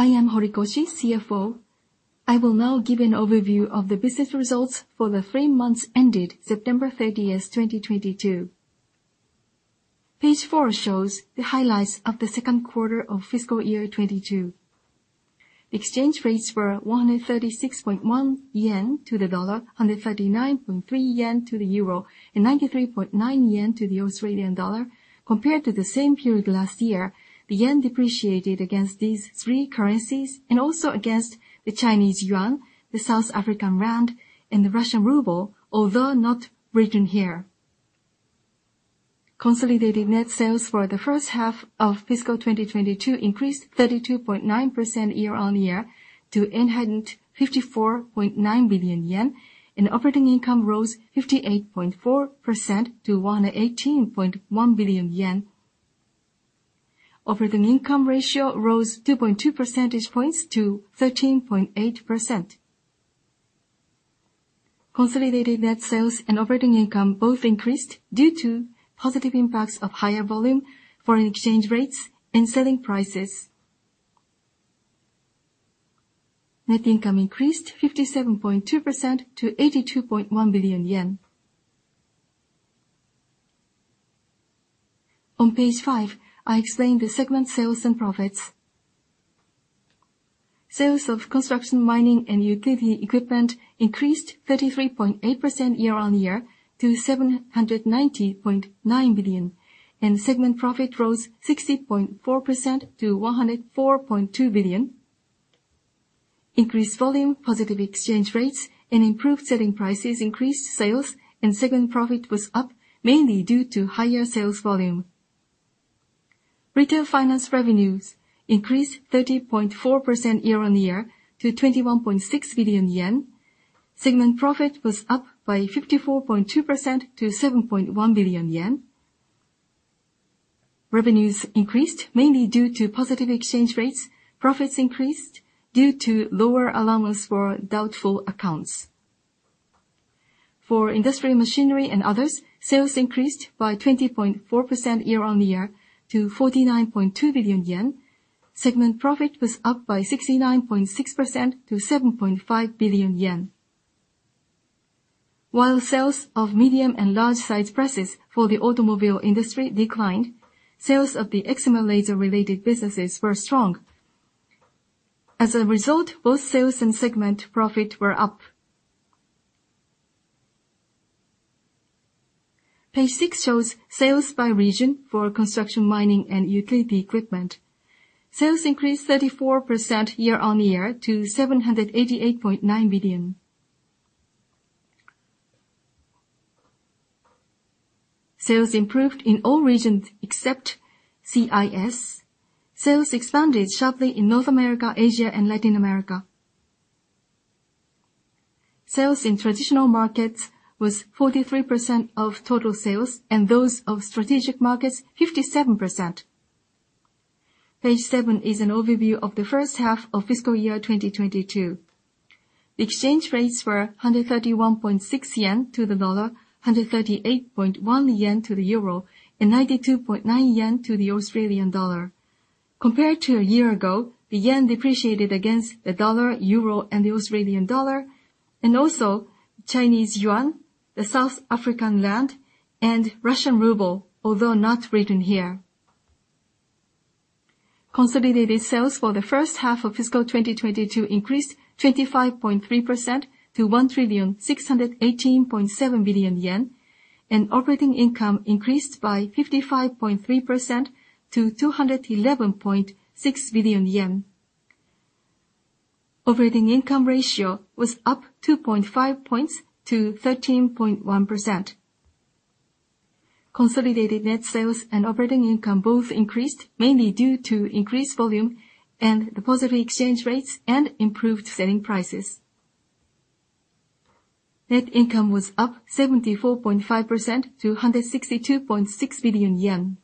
I am Horikoshi, CFO. I will now give an overview of the business results for the 3 months ended September 30th, 2022. Page four shows the highlights of the second quarter of fiscal year 2022. Exchange rates were 136.1 yen to the dollar, 139.3 yen to the euro, and 93.9 yen to the Australian dollar. Compared to the same period last year, the yen depreciated against these three currencies, and also against the Chinese yuan, the South African rand, and the Russian ruble, although not written here. Consolidated net sales for the first half of fiscal 2022 increased 32.9% year-on-year to 854.9 billion yen. Operating income rose 58.4% to 118.1 billion yen. Operating income ratio rose 2.2 percentage points to 13.8%. Consolidated net sales and operating income both increased due to positive impacts of higher volume, foreign exchange rates, and selling prices. Net income increased 57.2% to 82.1 billion yen. On page five, I explain the segment sales and profits. Sales of Construction, Mining and Utility Equipment increased 33.8% year-on-year to 790.9 billion. Segment profit rose 60.4% to 104.2 billion. Increased volume, positive exchange rates, and improved selling prices increased sales, and segment profit was up mainly due to higher sales volume. Retail Finance revenues increased 30.4% year-on-year to 21.6 billion yen. Segment profit was up by 54.2% to 7.1 billion yen. Revenues increased mainly due to positive exchange rates. Profits increased due to lower allowance for doubtful accounts. For Industrial Machinery and Others, sales increased by 20.4% year-on-year to 49.2 billion yen. Segment profit was up by 69.6% to 7.5 billion yen. While sales of medium and large size presses for the automobile industry declined, sales of the Excimer laser related businesses were strong. As a result, both sales and segment profit were up. Page six shows sales by region for Construction, Mining and Utility Equipment. Sales increased 34% year-on-year to JPY 788.9 billion. Sales improved in all regions except CIS. Sales expanded sharply in North America, Asia, and Latin America. Sales in traditional markets was 43% of total sales, and those of strategic markets, 57%. Page seven is an overview of the first half of fiscal year 2022. Exchange rates were 131.6 yen to the dollar, 138.1 yen to the euro, and 92.9 yen to the Australian dollar. Compared to a year ago, the yen depreciated against the dollar, euro, and the Australian dollar, and also Chinese yuan, the South African rand, and Russian ruble, although not written here. Consolidated sales for the first half of fiscal 2022 increased 25.3% to 1,618.7 billion yen. Operating income increased by 55.3% to 211.6 billion yen. Operating income ratio was up 2.5 points to 13.1%. Consolidated net sales and operating income both increased, mainly due to increased volume, and the positive exchange rates, and improved selling prices. Net income was up 74.5% to 162.6 billion yen.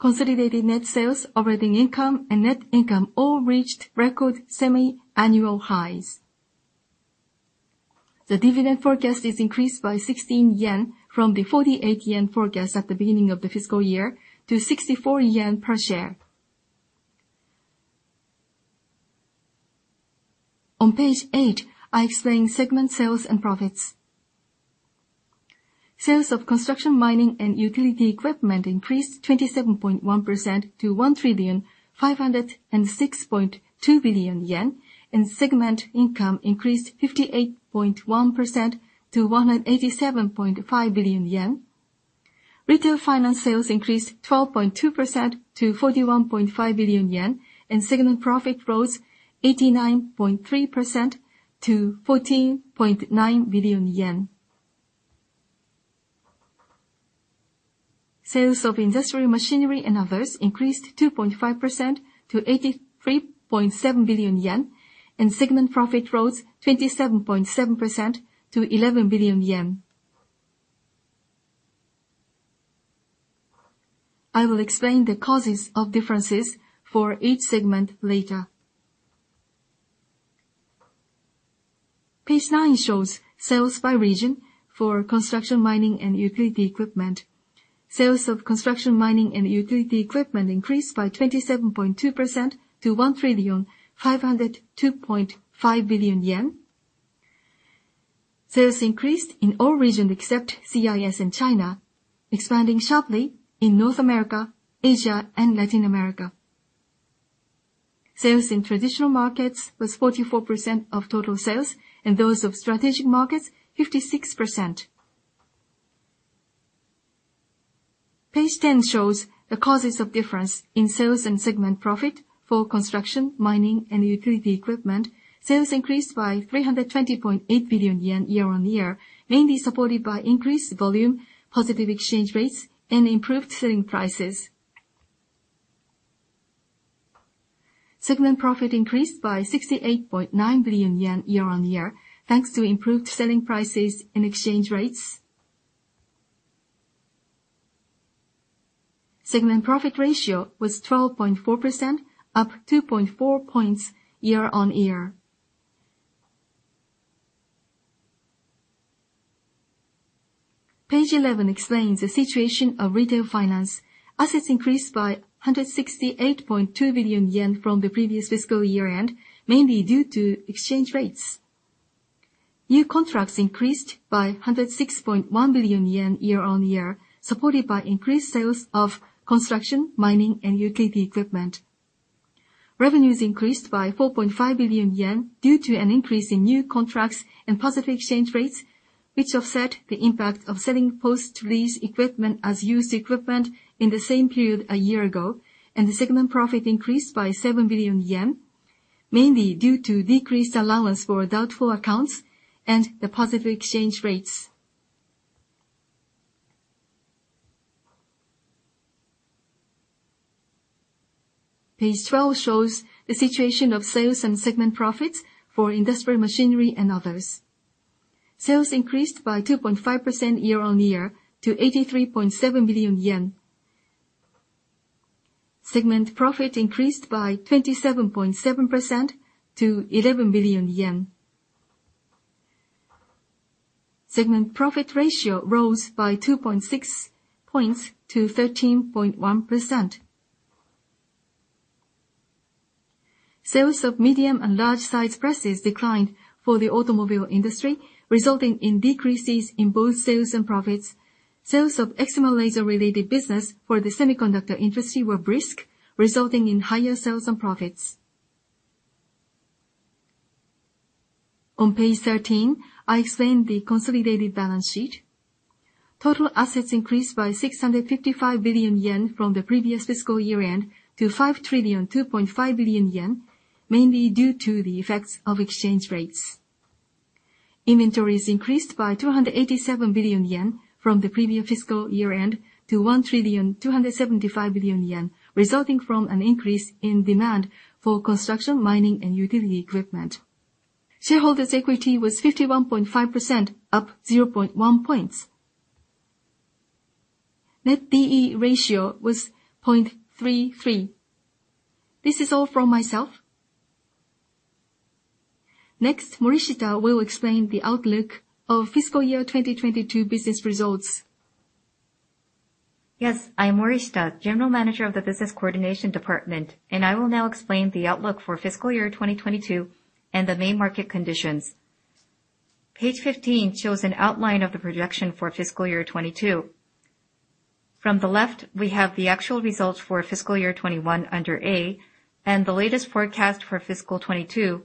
Consolidated net sales, operating income, and net income all reached record semiannual highs. The dividend forecast is increased by 16 yen from the 48 yen forecast at the beginning of the fiscal year to 64 yen per share. On page eight, I explain segment sales and profits. Sales of Construction, Mining and Utility Equipment increased 27.1% to 1,506.2 billion yen. Segment income increased 58.1% to 187.5 billion yen. Retail Finance sales increased 12.2% to 41.5 billion yen. Segment profit rose 89.3% to 14.9 billion yen. Sales of Industrial Machinery and Others increased 2.5% to 83.7 billion yen. Segment profit rose 27.7% to 11 billion yen. I will explain the causes of differences for each segment later. Page nine shows sales by region for Construction, Mining and Utility Equipment. Sales of Construction, Mining and Utility Equipment increased by 27.2% to 1,502.5 billion yen. Sales increased in all regions except CIS and China, expanding sharply in North America, Asia, and Latin America. Sales in traditional markets was 44% of total sales, and those of strategic markets, 56%. Page 10 shows the causes of difference in sales and segment profit for Construction, Mining and Utility Equipment. Sales increased by 320.8 billion yen year-on-year, mainly supported by increased volume, positive exchange rates, and improved selling prices. Segment profit increased by 68.9 billion yen year-on-year, thanks to improved selling prices and exchange rates. Segment profit ratio was 12.4%, up 2.4 points year-on-year. Page 11 explains the situation of Retail Finance. Assets increased by 168.2 billion yen from the previous fiscal year-end, mainly due to exchange rates. New contracts increased by 106.1 billion yen year-on-year, supported by increased sales of Construction, Mining and Utility Equipment. Revenues increased by 4.5 billion yen due to an increase in new contracts and positive exchange rates, which offset the impact of selling post-lease equipment as used equipment in the same period a year ago. The segment profit increased by 7 billion yen, mainly due to decreased allowance for doubtful accounts and the positive exchange rates. Page 12 shows the situation of sales and segment profits for Industrial Machinery and Others. Sales increased by 2.5% year-on-year to 83.7 billion yen. Segment profit increased by 27.7% to JPY 11 billion. Segment profit ratio rose by 2.6 points to 13.1%. Sales of medium and large size presses declined for the automobile industry, resulting in decreases in both sales and profits. Sales of Excimer laser related business for the semiconductor industry were brisk, resulting in higher sales and profits. On page 13, I explain the consolidated balance sheet. Total assets increased by 655 billion yen from the previous fiscal year-end to 5,002.5 billion yen, mainly due to the effects of exchange rates. Inventories increased by 287 billion yen from the previous fiscal year-end to 1,275 billion yen, resulting from an increase in demand for Construction, Mining and Utility Equipment. Shareholders' equity was 51.5%, up 0.1 points. Net D/E ratio was 0.33. This is all from myself. Next, Morishita will explain the outlook of fiscal year 2022 business results. Yes, I am Morishita, General Manager of the Business Coordination Department, and I will now explain the outlook for fiscal year 2022 and the main market conditions. Page 15 shows an outline of the projection for fiscal year 2022. From the left, we have the actual results for fiscal year 2021 under A and the latest forecast for fiscal 2022 under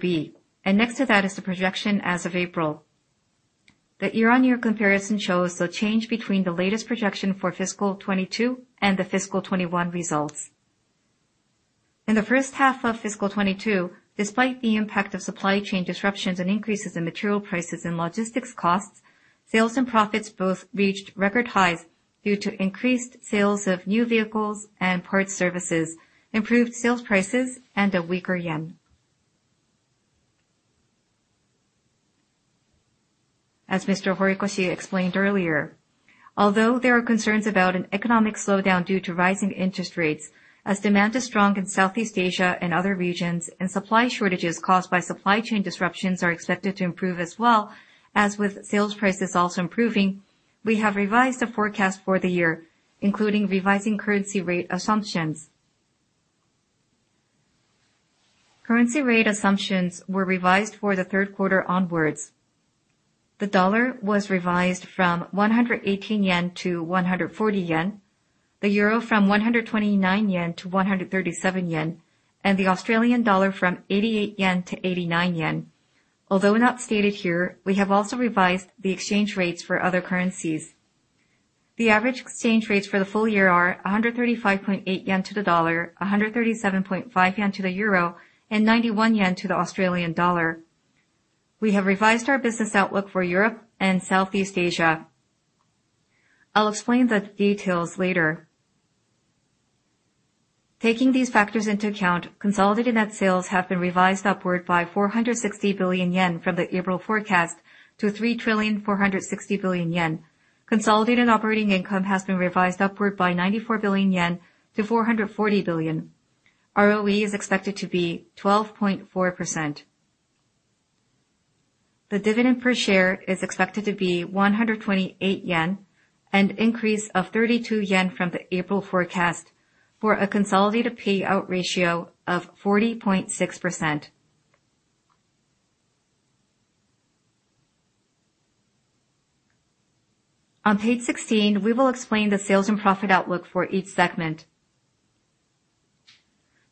B. Next to that is the projection as of April. The year-on-year comparison shows the change between the latest projection for fiscal 2022 and the fiscal 2021 results. In the first half of fiscal 2022, despite the impact of supply chain disruptions and increases in material prices and logistics costs, sales and profits both reached record highs due to increased sales of new vehicles and parts services, improved sales prices, and a weaker yen. As Mr. Horikoshi explained earlier, although there are concerns about an economic slowdown due to rising interest rates, as demand is strong in Southeast Asia and other regions, and supply shortages caused by supply chain disruptions are expected to improve as well, as with sales prices also improving, we have revised the forecast for the year, including revising currency rate assumptions. Currency rate assumptions were revised for the third quarter onwards. The dollar was revised from 118 yen to 140 yen, the euro from 129 yen to 137 yen, and the Australian dollar from 88 yen to 89 yen. Although not stated here, we have also revised the exchange rates for other currencies. The average exchange rates for the full year are 135.8 yen to the dollar, 137.5 yen to the euro, and 91 yen to the Australian dollar. We have revised our business outlook for Europe and Southeast Asia. I'll explain the details later. Taking these factors into account, consolidated net sales have been revised upward by 460 billion yen from the April forecast to 3.46 trillion. Consolidated operating income has been revised upward by 94 billion yen to 440 billion. ROE is expected to be 12.4%. The dividend per share is expected to be 128 yen, an increase of 32 yen from the April forecast, for a consolidated payout ratio of 40.6%. On page 16, we will explain the sales and profit outlook for each segment.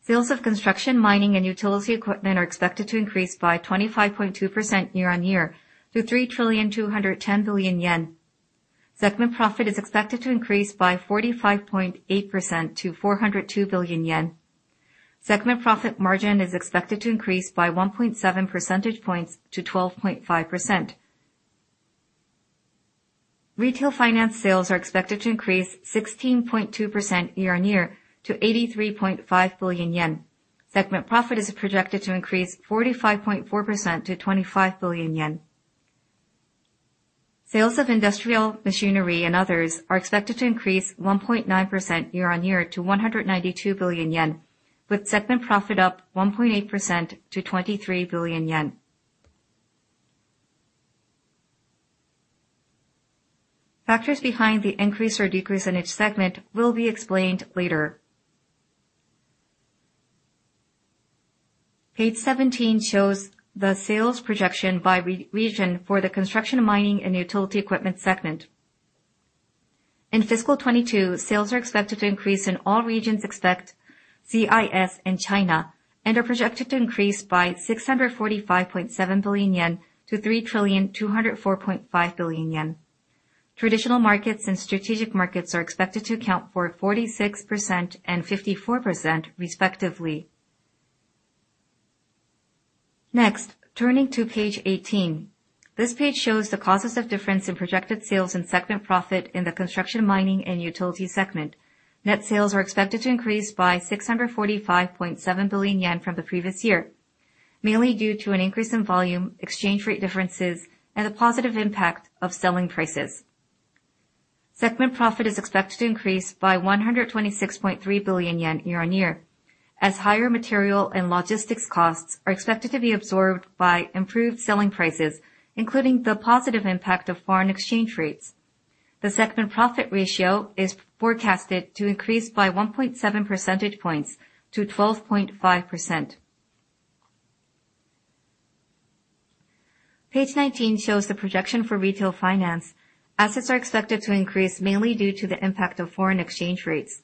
Sales of Construction, Mining and Utility Equipment are expected to increase by 25.2% year-on-year to 3.21 trillion. Segment profit is expected to increase by 45.8% to 402 billion yen. Segment profit margin is expected to increase by 1.7 percentage points to 12.5%. Retail Finance sales are expected to increase 16.2% year-on-year to 83.5 billion yen. Segment profit is projected to increase 45.4% to 25 billion yen. Sales of Industrial Machinery and Others are expected to increase 1.9% year-on-year to 192 billion yen, with segment profit up 1.8% to 23 billion yen. Factors behind the increase or decrease in each segment will be explained later. Page 17 shows the sales projection by region for the Construction, Mining and Utility Equipment segment. In fiscal 2022, sales are expected to increase in all regions except CIS and China, and are projected to increase by 645.7 billion yen to 3,204.5 billion yen. Traditional markets and strategic markets are expected to account for 46% and 54% respectively. Next, turning to page 18. This page shows the causes of difference in projected sales and segment profit in the Construction, Mining and Utility Equipment segment. Net sales are expected to increase by 645.7 billion yen from the previous year, mainly due to an increase in volume, exchange rate differences, and the positive impact of selling prices. Segment profit is expected to increase by 126.3 billion yen year-on-year as higher material and logistics costs are expected to be absorbed by improved selling prices, including the positive impact of foreign exchange rates. The segment profit ratio is forecasted to increase by 1.7 percentage points to 12.5%. Page 19 shows the projection for Retail Finance. Assets are expected to increase mainly due to the impact of foreign exchange rates.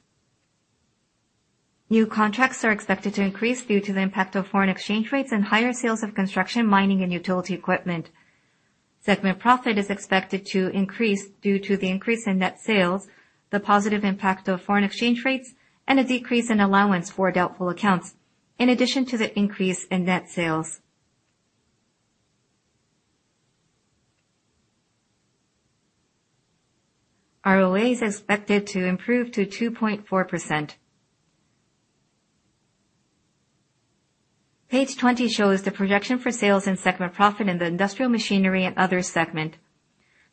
New contracts are expected to increase due to the impact of foreign exchange rates and higher sales of Construction, Mining and Utility Equipment. Segment profit is expected to increase due to the increase in net sales, the positive impact of foreign exchange rates, and a decrease in allowance for doubtful accounts in addition to the increase in net sales. ROA is expected to improve to 2.4%. Page 20 shows the projection for sales and segment profit in the Industrial Machinery and Others segment.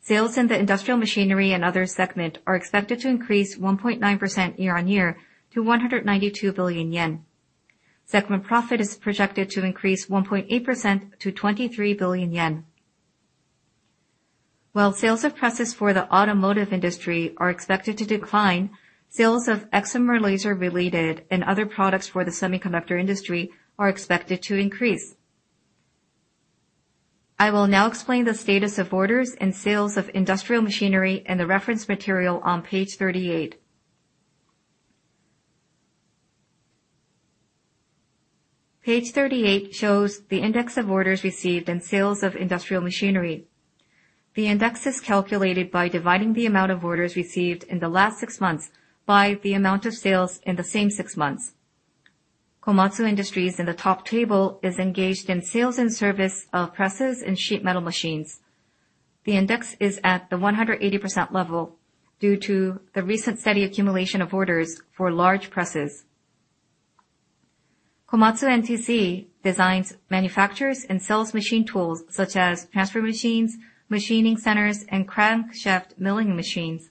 Sales in the Industrial Machinery and Others segment are expected to increase 1.9% year-on-year to 192 billion yen. Segment profit is projected to increase 1.8% to 23 billion yen. While sales of presses for the automotive industry are expected to decline, sales of Excimer laser related and other products for the semiconductor industry are expected to increase. I will now explain the status of orders and sales of industrial machinery and the reference material on page 38. Page 38 shows the index of orders received and sales of industrial machinery. The index is calculated by dividing the amount of orders received in the last 6 months by the amount of sales in the same 6 months. Komatsu Industries in the top table is engaged in sales and service of presses and sheet metal machines. The index is at the 180% level due to the recent steady accumulation of orders for large presses. Komatsu NTC designs, manufactures, and sells machine tools such as transfer machines, machining centers, and crankshaft milling machines.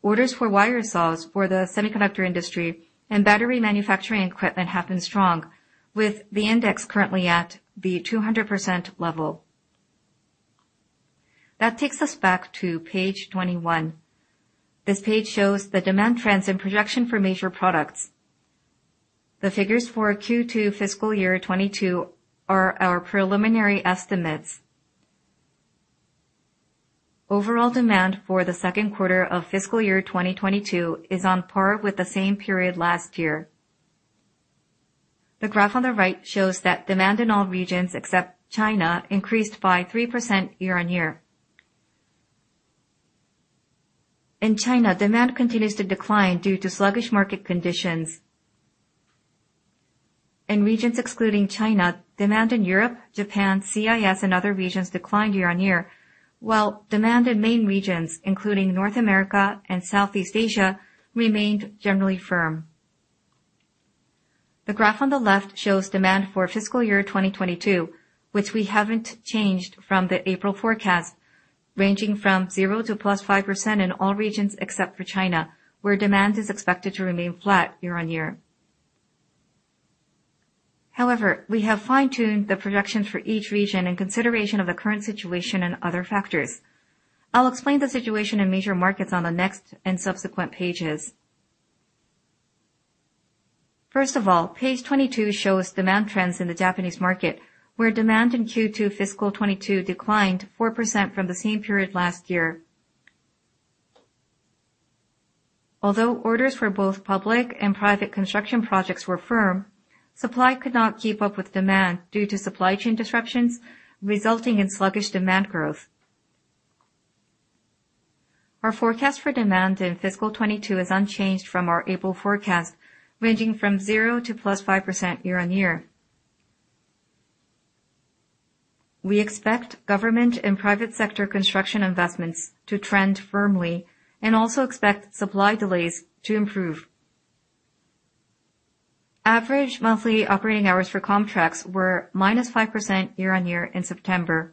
Orders for wire saws for the semiconductor industry and battery manufacturing equipment have been strong, with the index currently at the 200% level. That takes us back to page 21. This page shows the demand trends and projection for major products. The figures for Q2 fiscal year 2022 are our preliminary estimates. Overall demand for the second quarter of fiscal year 2022 is on par with the same period last year. The graph on the right shows that demand in all regions except China increased by 3% year-on-year. In China, demand continues to decline due to sluggish market conditions. In regions excluding China, demand in Europe, Japan, CIS, and other regions declined year-on-year, while demand in main regions, including North America and Southeast Asia, remained generally firm. The graph on the left shows demand for fiscal year 2022, which we haven't changed from the April forecast. Ranging from 0 to +5% in all regions except for China, where demand is expected to remain flat year-on-year. However, we have fine-tuned the projections for each region in consideration of the current situation and other factors. I'll explain the situation in major markets on the next and subsequent pages. First of all, page 22 shows demand trends in the Japanese market, where demand in Q2 fiscal 2022 declined 4% from the same period last year. Although orders for both public and private construction projects were firm, supply could not keep up with demand due to supply chain disruptions, resulting in sluggish demand growth. Our forecast for demand in fiscal 2022 is unchanged from our April forecast, ranging from 0% to +5% year-on-year. We expect government and private sector construction investments to trend firmly and also expect supply delays to improve. Average monthly operating hours for KOMTRAX were -5% year-on-year in September.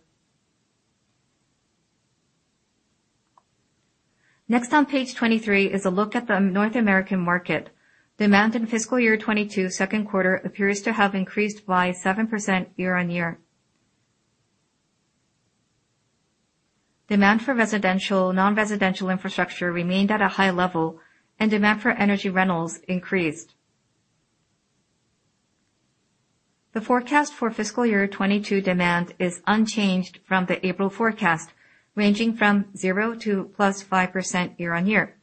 Next on page 23 is a look at the North American market. Demand in fiscal year 2022 second quarter appears to have increased by 7% year-on-year. Demand for residential, non-residential infrastructure remained at a high level, and demand for energy rentals increased. The forecast for fiscal year 2022 demand is unchanged from the April forecast, ranging from 0% to +5% year-on-year.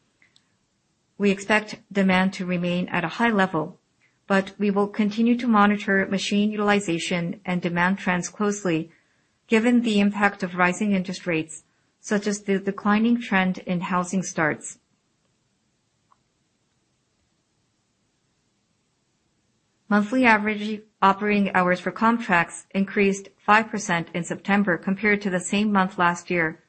We expect demand to remain at a high level, but we will continue to monitor machine utilization and demand trends closely given the impact of rising interest rates, such as the declining trend in housing starts. Monthly average operating hours for KOMTRAX increased 5% in September compared to the same month last year.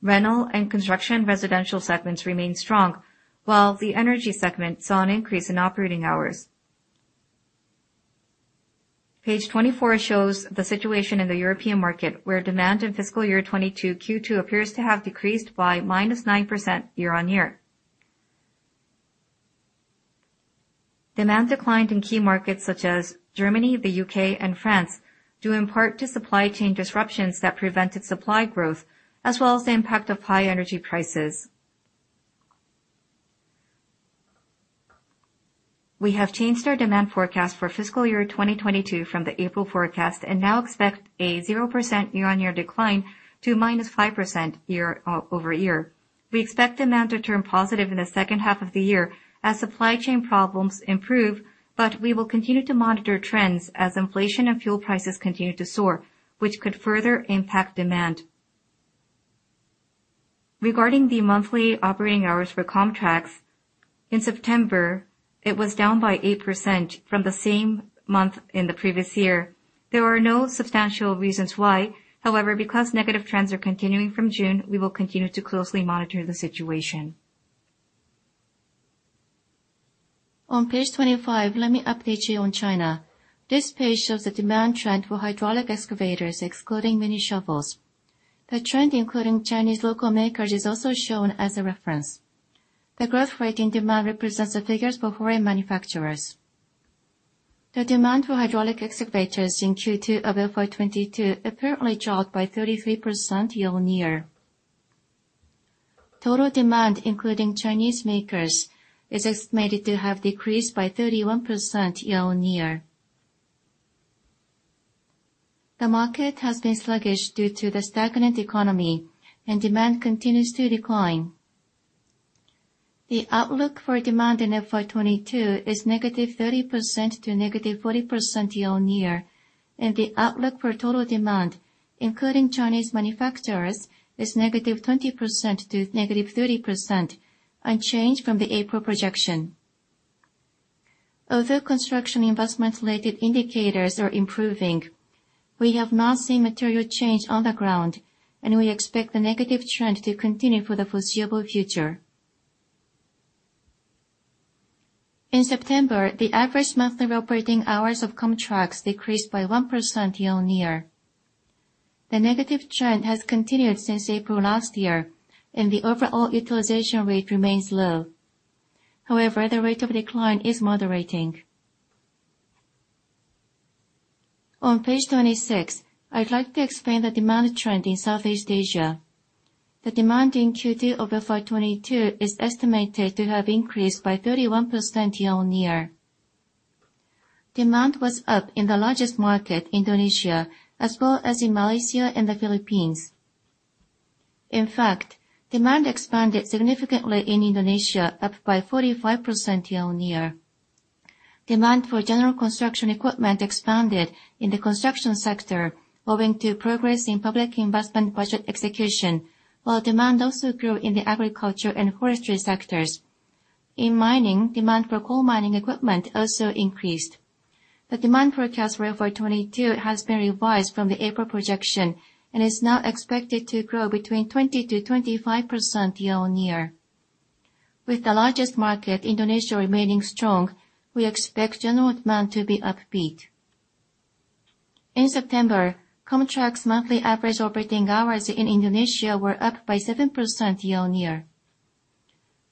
Rental and Construction Residential segments remain strong, while the Energy segment saw an increase in operating hours. Page 24 shows the situation in the European market, where demand in fiscal year 2022 Q2 appears to have decreased by -9% year-on-year. Demand declined in key markets such as Germany, the U.K., and France, due in part to supply chain disruptions that prevented supply growth, as well as the impact of high energy prices. We have changed our demand forecast for fiscal year 2022 from the April forecast and now expect a 0% year-on-year decline to -5% year-over-year. We expect demand to turn positive in the second half of the year as supply chain problems improve, but we will continue to monitor trends as inflation and fuel prices continue to soar, which could further impact demand. Regarding the monthly operating hours for KOMTRAX, in September, it was down by 8% from the same month in the previous year. There are no substantial reasons why. However, because negative trends are continuing from June, we will continue to closely monitor the situation. On page 25, let me update you on China. This page shows the demand trend for hydraulic excavators, excluding mini shovels. The trend, including Chinese local makers, is also shown as a reference. The growth rate in demand represents the figures for foreign manufacturers. The demand for hydraulic excavators in Q2 of FY 2022 apparently dropped by 33% year-on-year. Total demand, including Chinese makers, is estimated to have decreased by 31% year-on-year. The market has been sluggish due to the stagnant economy, and demand continues to decline. The outlook for demand in FY 2022 is -30% to -40% year-on-year, and the outlook for total demand, including Chinese manufacturers, is -20% to -30%, unchanged from the April projection. Although construction investment-related indicators are improving, we have not seen material change on the ground, and we expect the negative trend to continue for the foreseeable future. In September, the average monthly operating hours of KOMTRAX decreased by 1% year-on-year. The negative trend has continued since April last year, and the overall utilization rate remains low. However, the rate of decline is moderating. On page 26, I'd like to explain the demand trend in Southeast Asia. The demand in Q2 of FY 2022 is estimated to have increased by 31% year-on-year. Demand was up in the largest market, Indonesia, as well as in Malaysia and the Philippines. In fact, demand expanded significantly in Indonesia, up by 45% year-on-year. Demand for general construction equipment expanded in the construction sector owing to progress in public investment budget execution, while demand also grew in the agriculture and forestry sectors. In mining, demand for coal mining equipment also increased. The demand forecast for FY 2022 has been revised from the April projection and is now expected to grow between 20%-25% year-on-year. With the largest market, Indonesia, remaining strong, we expect general demand to be upbeat. In September, KOMTRAX monthly average operating hours in Indonesia were up by 7% year-on-year.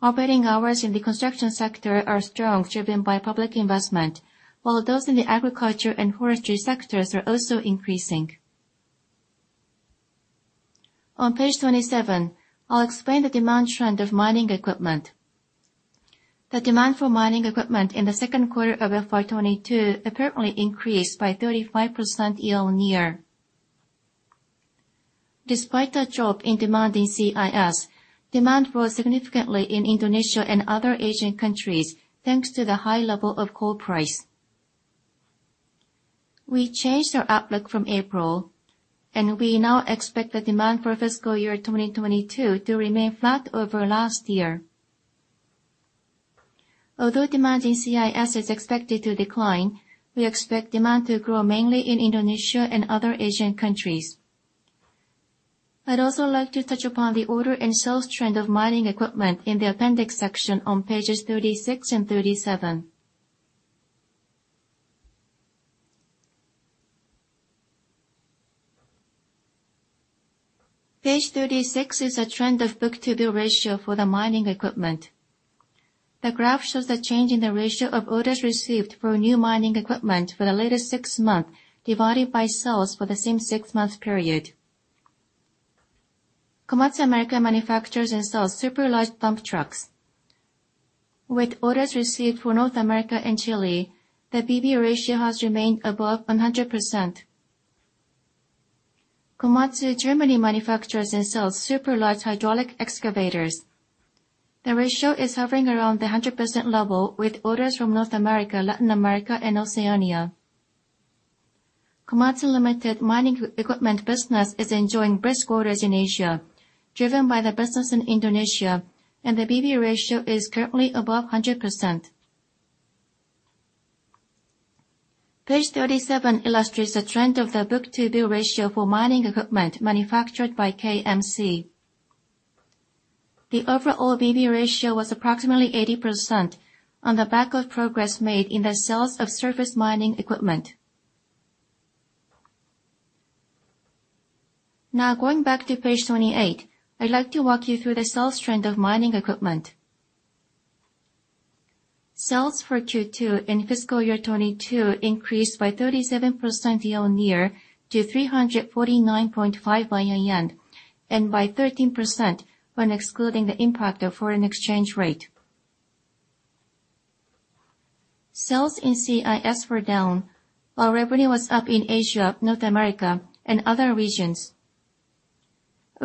Operating hours in the construction sector are strong, driven by public investment, while those in the agriculture and forestry sectors are also increasing. On page 27, I'll explain the demand trend of mining equipment. The demand for mining equipment in the second quarter of FY 2022 apparently increased by 35% year-on-year. Despite the drop in demand in CIS, demand rose significantly in Indonesia and other Asian countries, thanks to the high level of coal price. We changed our outlook from April, and we now expect the demand for fiscal year 2022 to remain flat over last year. Although demand in CIS is expected to decline, we expect demand to grow mainly in Indonesia and other Asian countries. I'd also like to touch upon the order and sales trend of mining equipment in the appendix section on pages 36 and 37. Page 36 is a trend of book-to-bill ratio for the mining equipment. The graph shows the change in the ratio of orders received for new mining equipment for the latest 6 months, divided by sales for the same 6-month period. Komatsu America manufactures and sells super large dump trucks. With orders received for North America and Chile, the BB ratio has remained above 100%. Komatsu Germany manufactures and sells super large hydraulic excavators. The ratio is hovering around the 100% level with orders from North America, Latin America, and Oceania. Komatsu Ltd. mining equipment business is enjoying brisk orders in Asia, driven by the business in Indonesia, and the BB ratio is currently above 100%. Page 37 illustrates the trend of the book-to-bill ratio for mining equipment manufactured by KMC. The overall BB ratio was approximately 80% on the back of progress made in the sales of surface mining equipment. Now, going back to page 28, I'd like to walk you through the sales trend of mining equipment. Sales for Q2 in fiscal year 2022 increased by 37% year-on-year to 349.5 billion yen, and by 13% when excluding the impact of foreign exchange rate. Sales in CIS were down while revenue was up in Asia, North America, and other regions.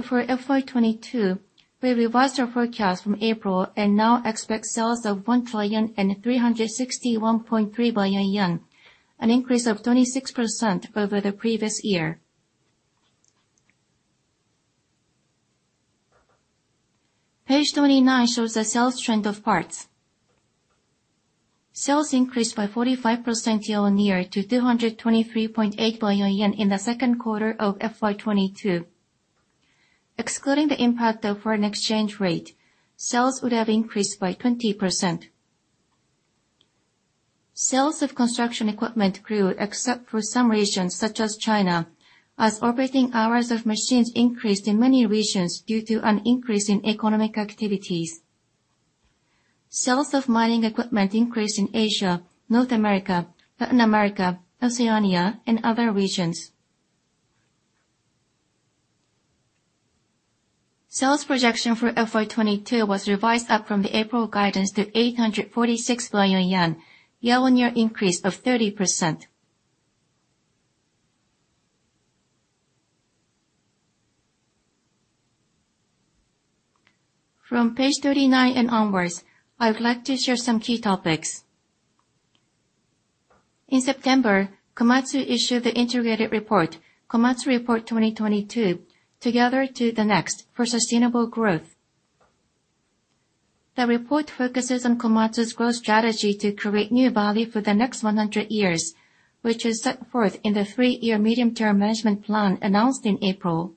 For FY 2022, we revised our forecast from April and now expect sales of 1,361.3 billion yen, an increase of 26% over the previous year. Page 29 shows the sales trend of parts. Sales increased by 45% year-on-year to 223.8 billion yen in the second quarter of FY 2022. Excluding the impact of foreign exchange rate, sales would have increased by 20%. Sales of construction equipment grew except for some regions such as China, as operating hours of machines increased in many regions due to an increase in economic activities. Sales of mining equipment increased in Asia, North America, Latin America, Oceania, and other regions. Sales projection for FY 2022 was revised up from the April guidance to 846 billion yen, year-on-year increase of 30%. From page 39 and onwards, I would like to share some key topics. In September, Komatsu issued the integrated report, Komatsu Report 2022: Together to the Next for Sustainable Growth. The report focuses on Komatsu's growth strategy to create new value for the next 100 years, which is set forth in the 3-year medium-term management plan announced in April.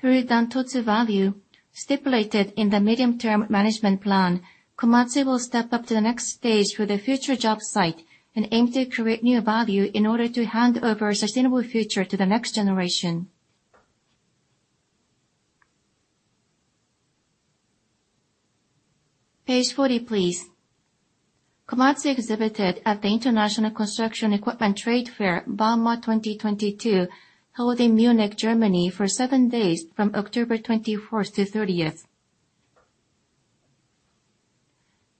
Through the DANTOTSU Value stipulated in the medium-term management plan, Komatsu will step up to the next stage for the future job site and aim to create new value in order to hand over a sustainable future to the next generation. Page 40, please. Komatsu exhibited at the International Construction Equipment Trade Fair, bauma 2022, held in Munich, Germany for 7 days from October 24th to 30th.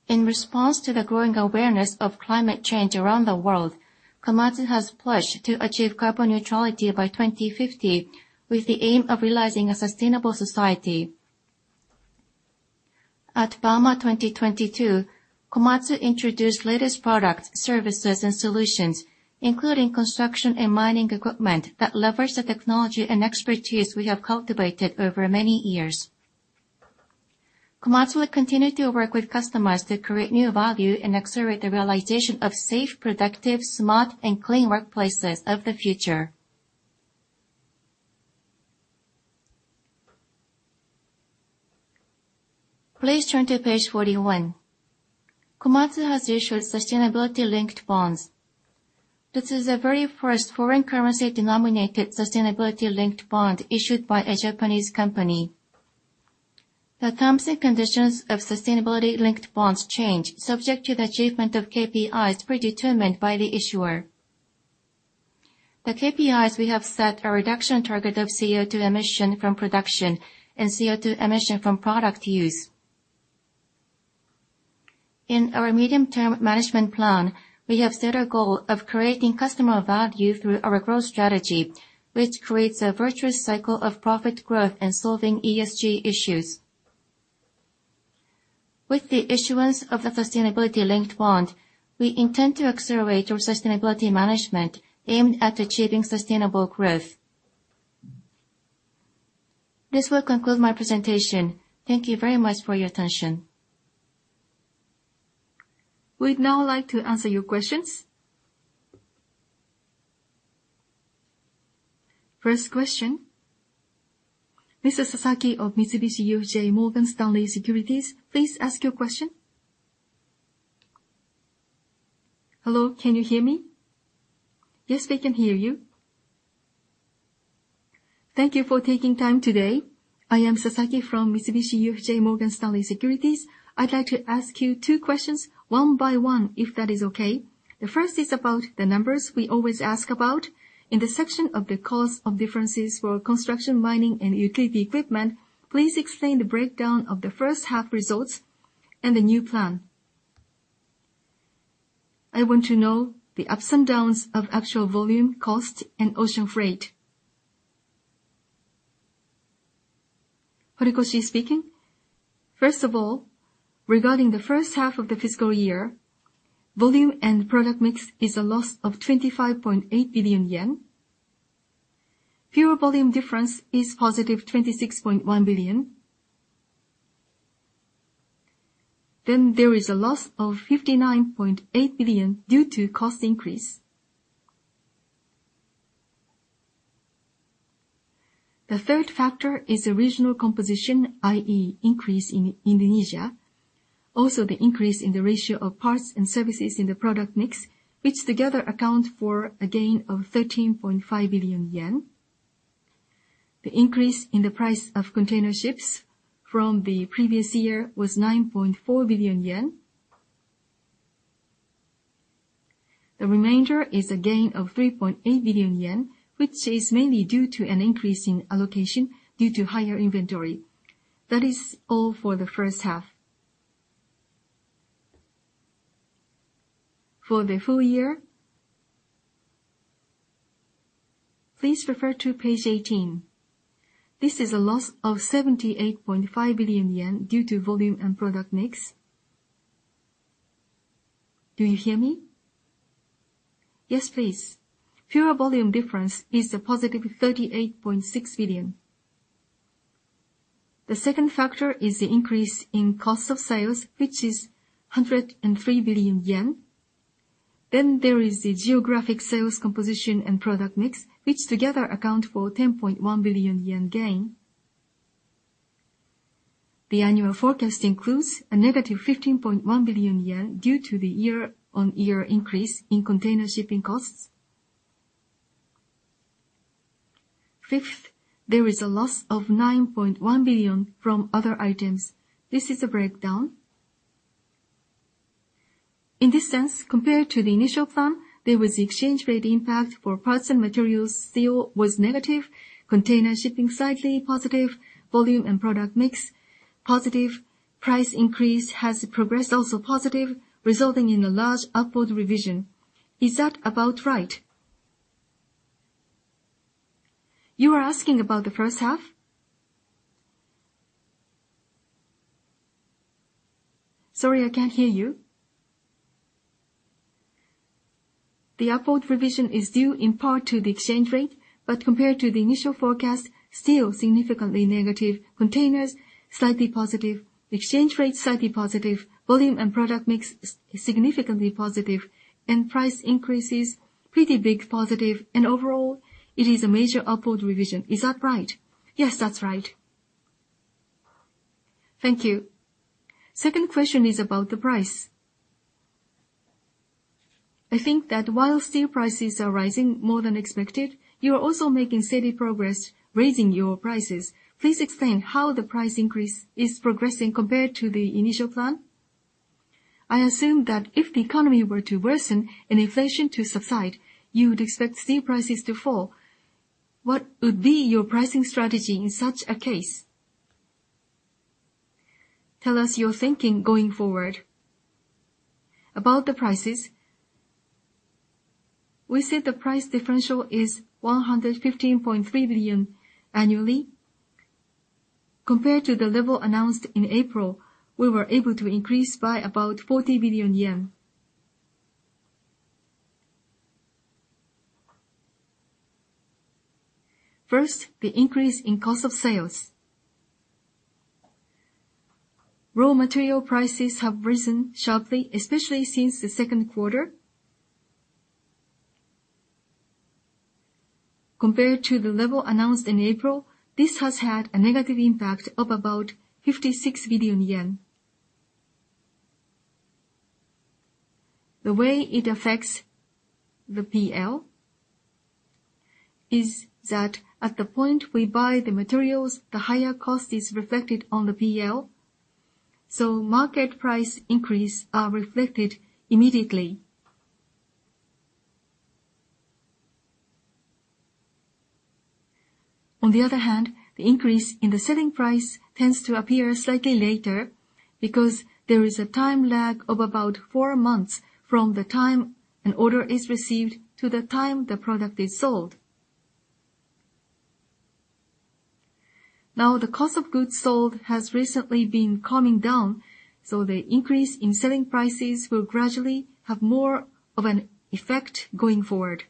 In response to the growing awareness of climate change around the world, Komatsu has pledged to achieve carbon neutrality by 2050, with the aim of realizing a sustainable society. At bauma 2022, Komatsu introduced latest products, services, and solutions, including construction and mining equipment that leverage the technology and expertise we have cultivated over many years. Komatsu will continue to work with customers to create new value and accelerate the realization of safe, productive, smart, and clean workplaces of the future. Please turn to page 41. Komatsu has issued sustainability-linked bonds. This is the very first foreign currency denominated sustainability-linked bond issued by a Japanese company. The terms and conditions of sustainability-linked bonds change subject to the achievement of KPIs predetermined by the issuer. The KPIs we have set are reduction target of CO₂ emission from production and CO₂ emission from product use. In our medium-term management plan, we have set a goal of creating customer value through our growth strategy, which creates a virtuous cycle of profit growth and solving ESG issues. With the issuance of the sustainability-linked bond, we intend to accelerate our sustainability management aimed at achieving sustainable growth. This will conclude my presentation. Thank you very much for your attention. We'd now like to answer your questions. First question. Mr. Sasaki of Mitsubishi UFJ Morgan Stanley Securities, please ask your question. Hello, can you hear me? Yes, we can hear you. Thank you for taking time today. I am Sasaki from Mitsubishi UFJ Morgan Stanley Securities. I'd like to ask you two questions one by one, if that is okay. The first is about the numbers we always ask about. In the section of the cause of differences for Construction, Mining and Utility Equipment, please explain the breakdown of the first half results and the new plan. I want to know the ups and downs of actual volume, cost, and ocean freight. Horikoshi speaking. First of all, regarding the first half of the fiscal year, volume and product mix is a loss of 25.8 billion yen. Fuel volume difference is positive 26.1 billion. There is a loss of 59.8 billion due to cost increase. The third factor is the regional composition, i.e. increase in Indonesia. The increase in the ratio of parts and services in the product mix, which together account for a gain of 13.5 billion yen. The increase in the price of container ships from the previous year was 9.4 billion yen. The remainder is a gain of 3.8 billion yen, which is mainly due to an increase in allocation due to higher inventory. That is all for the first half. For the full year, please refer to page 18. This is a loss of 78.5 billion yen due to volume and product mix. Do you hear me? Yes, please. Fuel volume difference is +38.6 billion. The second factor is the increase in cost of sales, which is 103 billion yen. There is the geographic sales composition and product mix, which together account for 10.1 billion yen gain. The annual forecast includes -15.1 billion yen due to the year-on-year increase in container shipping costs. Fifth, there is a loss of 9.1 billion from other items. This is the breakdown. In this sense, compared to the initial plan, there was the exchange rate impact for parts and materials. Steel was negative, container shipping slightly positive, volume and product mix positive. Price increase has progressed also positive, resulting in a large upward revision. Is that about right? You are asking about the first half? Sorry, I can't hear you. The upward revision is due in part to the exchange rate, but compared to the initial forecast, steel significantly negative, containers slightly positive, exchange rate slightly positive, volume and product mix significantly positive, and price increases pretty big positive. Overall, it is a major upward revision. Is that right? Yes, that's right. Thank you. Second question is about the price. I think that while steel prices are rising more than expected, you are also making steady progress raising your prices. Please explain how the price increase is progressing compared to the initial plan. I assume that if the economy were to worsen and inflation to subside, you would expect steel prices to fall. What would be your pricing strategy in such a case? Tell us your thinking going forward. About the prices, we said the price differential is 115.3 billion annually. Compared to the level announced in April, we were able to increase by about 40 billion yen. First, the increase in cost of sales. Raw material prices have risen sharply, especially since the second quarter. Compared to the level announced in April, this has had a negative impact of about 56 billion yen. The way it affects the P&L is that at the point we buy the materials, the higher cost is reflected on the P&L, so market price increases are reflected immediately. On the other hand, the increase in the selling price tends to appear slightly later because there is a time lag of about 4 months from the time an order is received to the time the product is sold. Now, the cost of goods sold has recently been calming down, so the increase in selling prices will gradually have more of an effect going forward.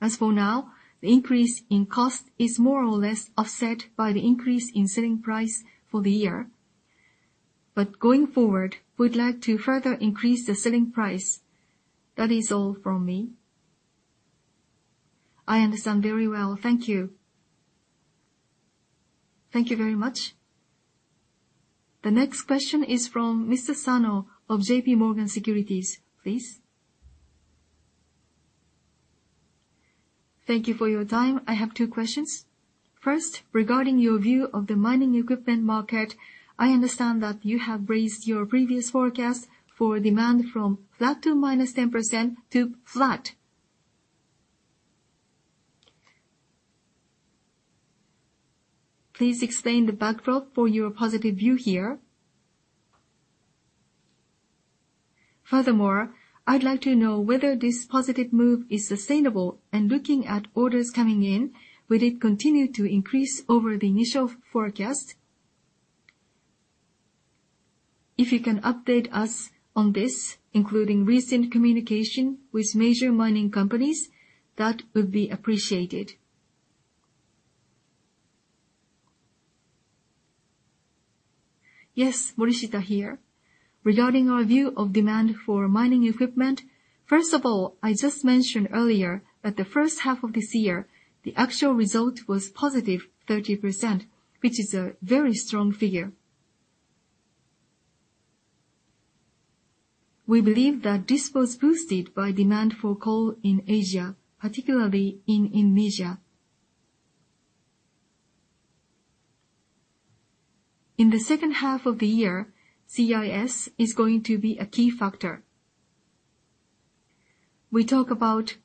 As for now, the increase in cost is more or less offset by the increase in selling price for the year. Going forward, we'd like to further increase the selling price. That is all from me. I understand very well. Thank you. Thank you very much. The next question is from Mr. Sano of J.P. Morgan Securities, please. Thank you for your time. I have two questions. First, regarding your view of the mining equipment market, I understand that you have raised your previous forecast for demand from flat to -10% to flat. Please explain the backdrop for your positive view here. Furthermore, I'd like to know whether this positive move is sustainable, and looking at orders coming in, will it continue to increase over the initial forecast? If you can update us on this, including recent communication with major mining companies, that would be appreciated. Yes, Morishita here. Regarding our view of demand for mining equipment, first of all, I just mentioned earlier that the first half of this year, the actual result was positive 30%, which is a very strong figure. We believe that this was boosted by demand for coal in Asia, particularly in Indonesia. In the second half of the year, CIS is going to be a key factor. We talk about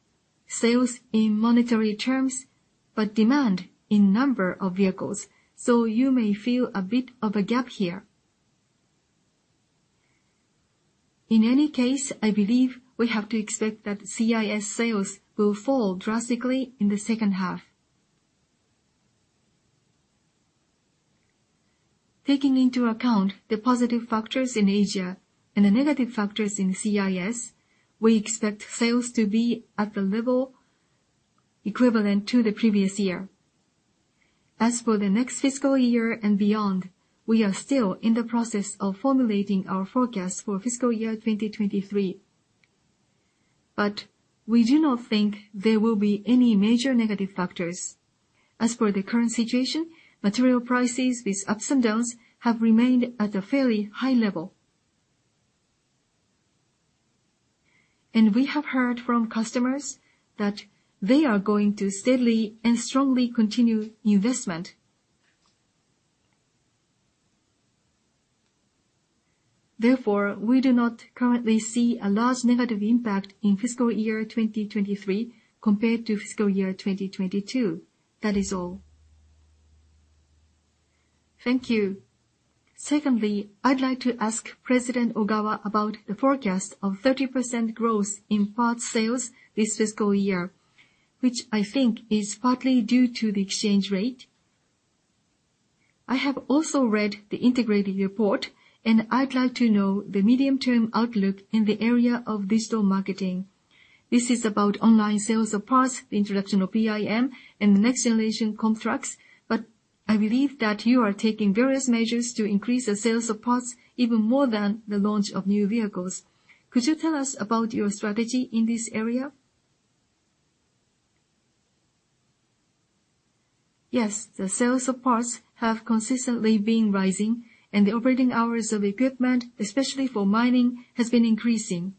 sales in monetary terms, but demand in number of vehicles, so you may feel a bit of a gap here. In any case, I believe we have to expect that CIS sales will fall drastically in the second half. Taking into account the positive factors in Asia and the negative factors in CIS, we expect sales to be at the level equivalent to the previous year. As for the next fiscal year and beyond, we are still in the process of formulating our forecast for fiscal year 2023. But we do not think there will be any major negative factors. As for the current situation, material prices with ups and downs have remained at a fairly high level. We have heard from customers that they are going to steadily and strongly continue investment. Therefore, we do not currently see a large negative impact in fiscal year 2023 compared to fiscal year 2022. That is all. Thank you. Secondly, I'd like to ask President Ogawa about the forecast of 30% growth in parts sales this fiscal year, which I think is partly due to the exchange rate. I have also read the integrated report, and I'd like to know the medium-term outlook in the area of digital marketing. This is about online sales of parts, the introduction of PIM, and the next-generation contracts, but I believe that you are taking various measures to increase the sales of parts even more than the launch of new vehicles. Could you tell us about your strategy in this area? Yes, the sales of parts have consistently been rising, and the operating hours of equipment, especially for mining, has been increasing.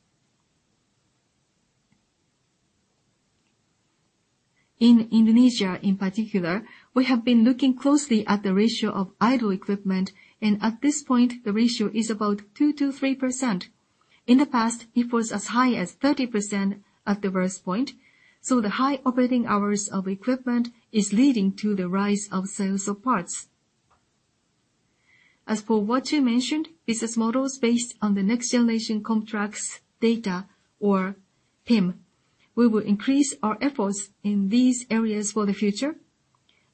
In Indonesia, in particular, we have been looking closely at the ratio of idle equipment, and at this point, the ratio is about 2%-3%. In the past, it was as high as 30% at the worst point, so the high operating hours of equipment is leading to the rise of sales of parts. As for what you mentioned, business models based on the next-generation contracts data or PIM, we will increase our efforts in these areas for the future.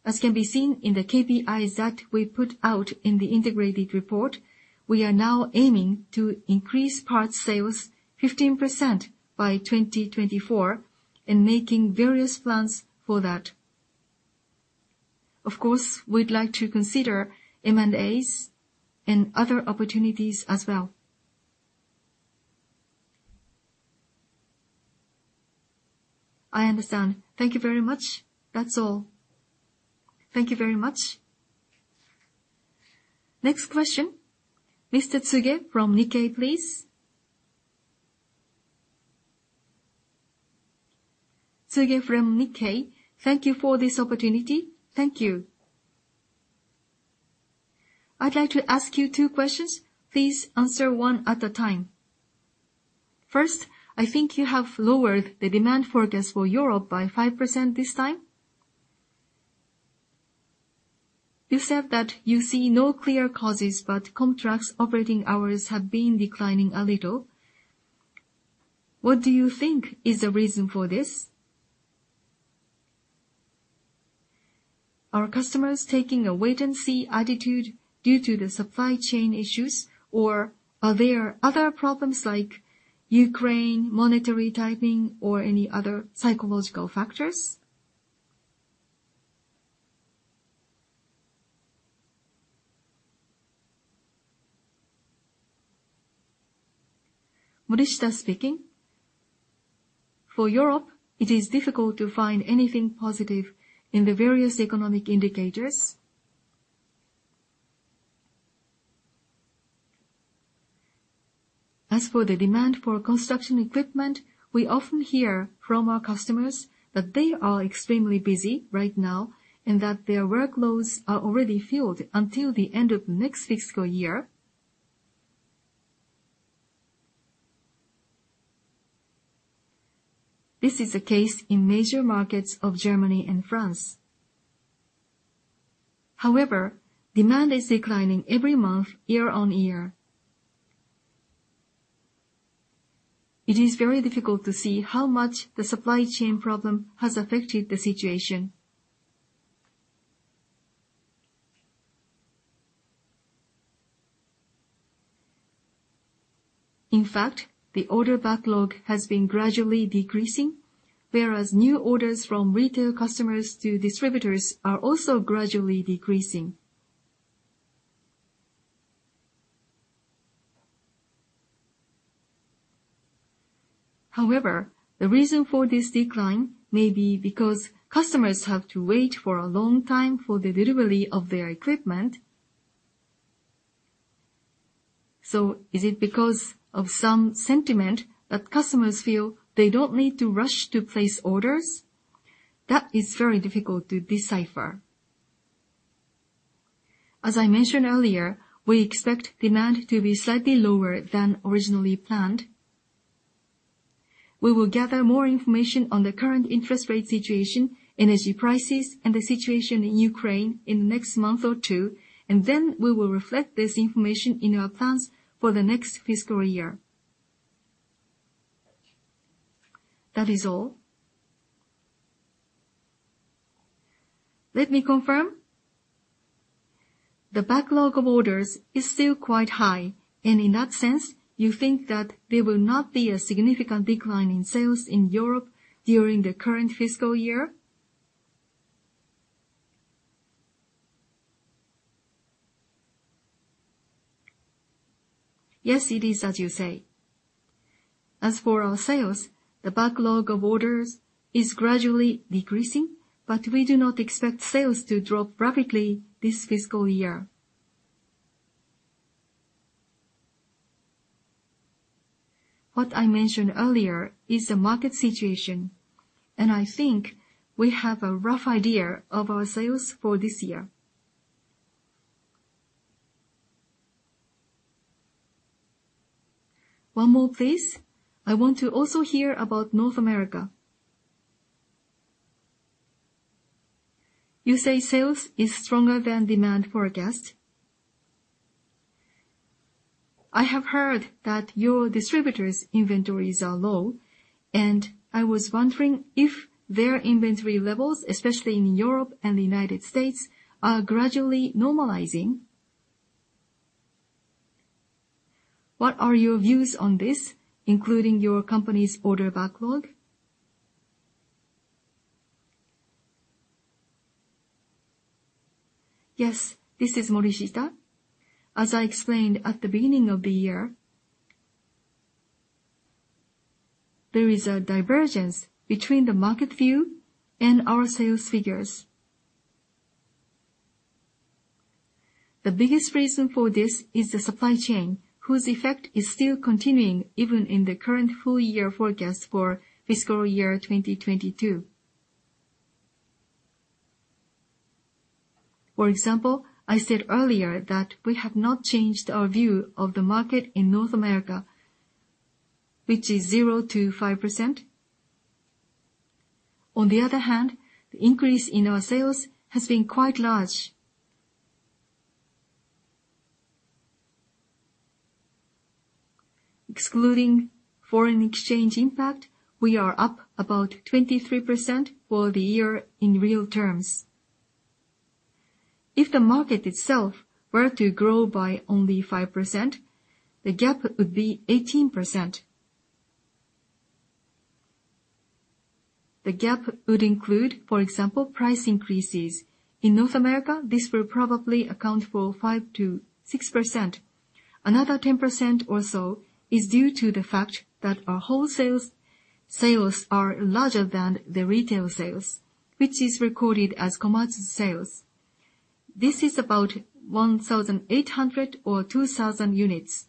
As can be seen in the KPIs that we put out in the integrated report, we are now aiming to increase parts sales 15% by 2024 and making various plans for that. Of course, we'd like to consider M&As and other opportunities as well. I understand. Thank you very much. That's all. Thank you very much. Next question, Mr. Tsuge from Nikkei, please. Tsuge from Nikkei. Thank you for this opportunity. Thank you. I'd like to ask you two questions. Please answer one at a time. First, I think you have lowered the demand forecast for Europe by 5% this time. You said that you see no clear causes, but construction operating hours have been declining a little. What do you think is the reason for this? Are customers taking a wait and see attitude due to the supply chain issues, or are there other problems like Ukraine, monetary tightening, or any other psychological factors? Morishita speaking. For Europe, it is difficult to find anything positive in the various economic indicators. As for the demand for construction equipment, we often hear from our customers that they are extremely busy right now, and that their workloads are already filled until the end of next fiscal year. This is the case in major markets of Germany and France. However, demand is declining every month year-on-year. It is very difficult to see how much the supply chain problem has affected the situation. In fact, the order backlog has been gradually decreasing, whereas new orders from retail customers to distributors are also gradually decreasing. However, the reason for this decline may be because customers have to wait for a long time for the delivery of their equipment. Is it because of some sentiment that customers feel they don't need to rush to place orders? That is very difficult to decipher. As I mentioned earlier, we expect demand to be slightly lower than originally planned. We will gather more information on the current interest rate situation, energy prices, and the situation in Ukraine in the next month or two, and then we will reflect this information in our plans for the next fiscal year. That is all. Let me confirm. The backlog of orders is still quite high, and in that sense, you think that there will not be a significant decline in sales in Europe during the current fiscal year? Yes, it is as you say. As for our sales, the backlog of orders is gradually decreasing, but we do not expect sales to drop rapidly this fiscal year. What I mentioned earlier is the market situation, and I think we have a rough idea of our sales for this year. One more, please. I want to also hear about North America. You say sales is stronger than demand forecast. I have heard that your distributors' inventories are low, and I was wondering if their inventory levels, especially in Europe and the United States, are gradually normalizing. What are your views on this, including your company's order backlog? Yes, this is Morishita. As I explained at the beginning of the year, there is a divergence between the market view and our sales figures. The biggest reason for this is the supply chain, whose effect is still continuing even in the current full year forecast for fiscal year 2022. For example, I said earlier that we have not changed our view of the market in North America, which is 0%-5%. On the other hand, the increase in our sales has been quite large. Excluding foreign exchange impact, we are up about 23% for the year in real terms. If the market itself were to grow by only 5%, the gap would be 18%. The gap would include, for example, price increases. In North America, this will probably account for 5%-6%. Another 10% or so is due to the fact that our wholesale sales are larger than the retail sales, which is recorded as Komatsu's sales. This is about 1,800 or 2,000 units.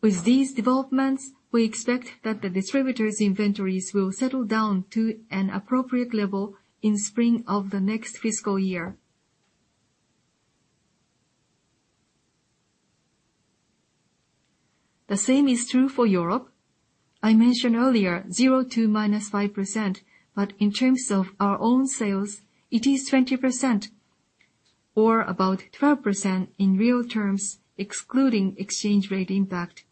With these developments, we expect that the distributors' inventories will settle down to an appropriate level in spring of the next fiscal year. The same is true for Europe. I mentioned earlier 0% to -5%, but in terms of our own sales, it is 20% or about 12% in real terms, excluding exchange rate impact.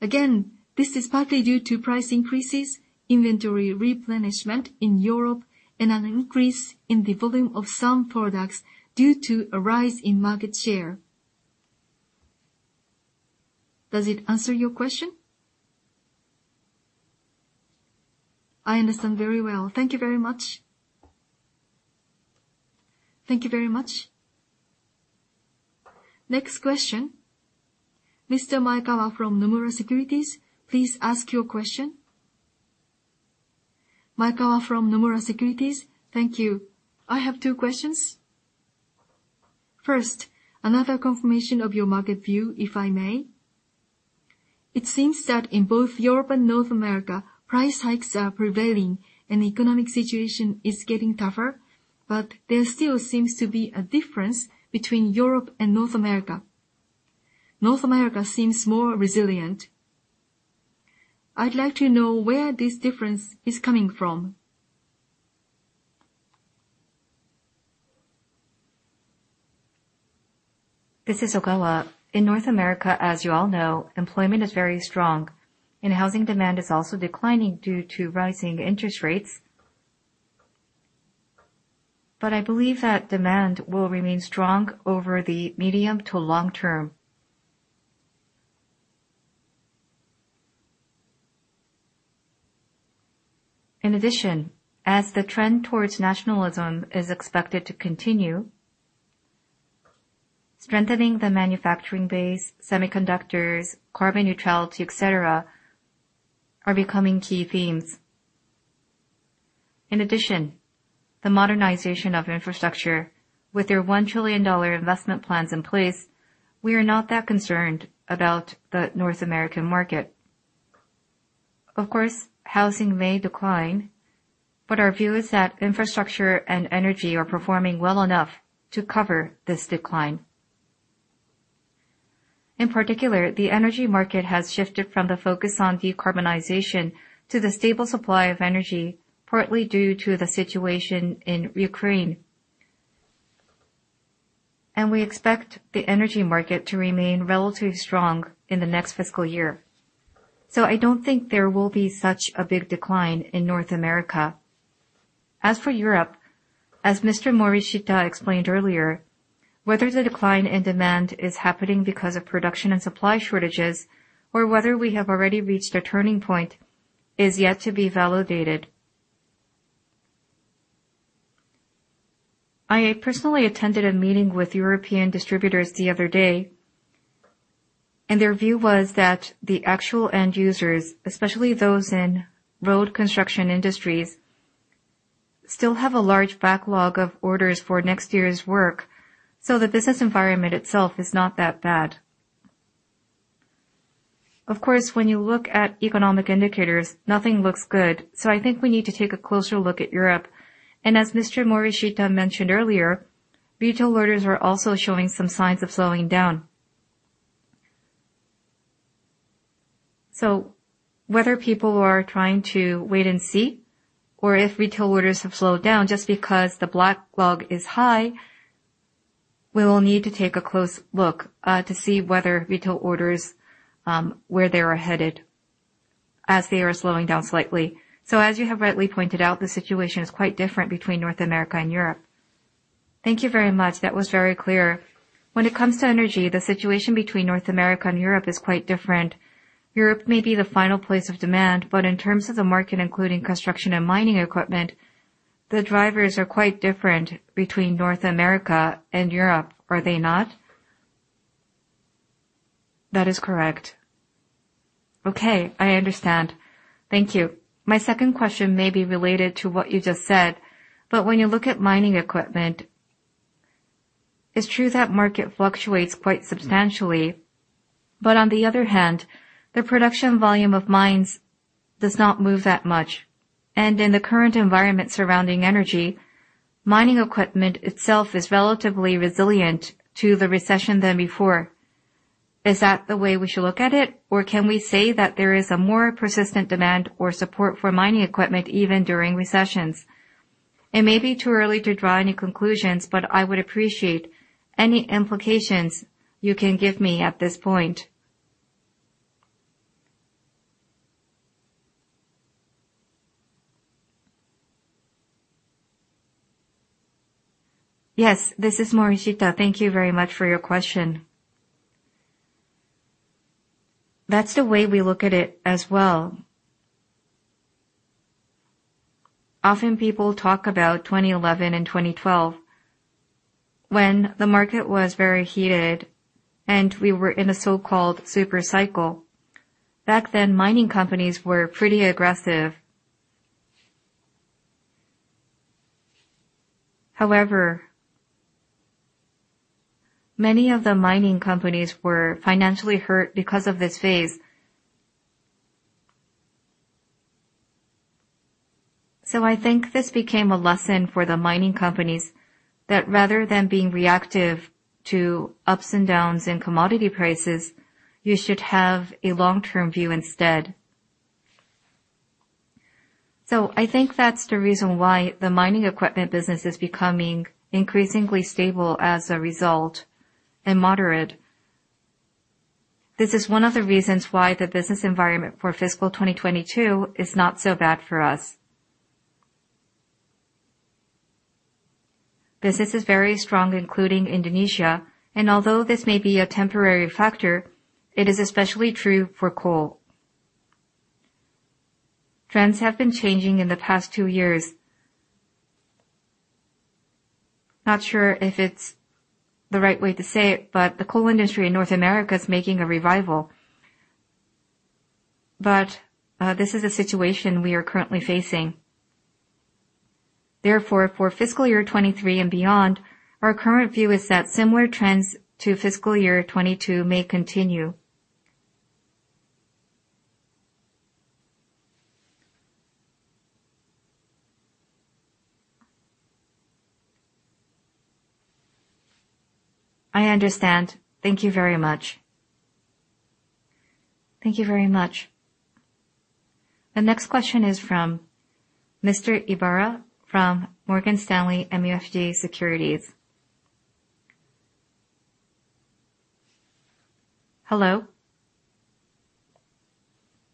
Again, this is partly due to price increases, inventory replenishment in Europe, and an increase in the volume of some products due to a rise in market share. Does it answer your question? I understand very well. Thank you very much. Next question. Mr. Maekawa from Nomura Securities, please ask your question. Maekawa from Nomura Securities. Thank you. I have two questions. First, another confirmation of your market view, if I may. It seems that in both Europe and North America, price hikes are prevailing and the economic situation is getting tougher, but there still seems to be a difference between Europe and North America. North America seems more resilient. I'd like to know where this difference is coming from. This is Ogawa. In North America, as you all know, employment is very strong and housing demand is also declining due to rising interest rates. I believe that demand will remain strong over the medium to long term. In addition, as the trend towards nationalism is expected to continue, strengthening the manufacturing base, semiconductors, carbon neutrality, et cetera, are becoming key themes. In addition, the modernization of infrastructure with their $1 trillion investment plans in place, we are not that concerned about the North American market. Of course, housing may decline, but our view is that infrastructure and energy are performing well enough to cover this decline. In particular, the energy market has shifted from the focus on decarbonization to the stable supply of energy, partly due to the situation in Ukraine. We expect the energy market to remain relatively strong in the next fiscal year. I don't think there will be such a big decline in North America. As for Europe, as Mr. Morishita explained earlier, whether the decline in demand is happening because of production and supply shortages, or whether we have already reached a turning point, is yet to be validated. I personally attended a meeting with European distributors the other day, and their view was that the actual end users, especially those in road construction industries, still have a large backlog of orders for next year's work, so the business environment itself is not that bad. Of course, when you look at economic indicators, nothing looks good, so I think we need to take a closer look at Europe. As Mr. Morishita mentioned earlier, retail orders are also showing some signs of slowing down. Whether people are trying to wait and see, or if retail orders have slowed down just because the backlog is high, we will need to take a close look to see whether retail orders where they are headed as they are slowing down slightly. As you have rightly pointed out, the situation is quite different between North America and Europe. Thank you very much. That was very clear. When it comes to energy, the situation between North America and Europe is quite different. Europe may be the final place of demand, but in terms of the market, including construction and mining equipment, the drivers are quite different between North America and Europe. Are they not? That is correct. Okay. I understand. Thank you. My second question may be related to what you just said, but when you look at mining equipment, it's true that the market fluctuates quite substantially. On the other hand, the production volume of mines does not move that much. In the current environment surrounding energy, mining equipment itself is relatively more resilient to the recession than before. Is that the way we should look at it? Or can we say that there is a more persistent demand or support for mining equipment even during recessions? It may be too early to draw any conclusions, but I would appreciate any implications you can give me at this point. Yes, this is Morishita. Thank you very much for your question. That's the way we look at it as well. Often people talk about 2011 and 2012 when the market was very heated and we were in a so-called super cycle. Back then, mining companies were pretty aggressive. However, many of the mining companies were financially hurt because of this phase. I think this became a lesson for the mining companies that rather than being reactive to ups and downs in commodity prices, you should have a long-term view instead. I think that's the reason why the mining equipment business is becoming increasingly stable as a result, and moderate. This is one of the reasons why the business environment for fiscal 2022 is not so bad for us. Business is very strong, including Indonesia, and although this may be a temporary factor, it is especially true for coal. Trends have been changing in the past 2 years. Not sure if it's the right way to say it, but the coal industry in North America is making a revival. This is a situation we are currently facing. Therefore, for fiscal year 2023 and beyond, our current view is that similar trends to fiscal year 2022 may continue. I understand. Thank you very much. Thank you very much. The next question is from Mr. Ibara from Morgan Stanley MUFG Securities. Hello.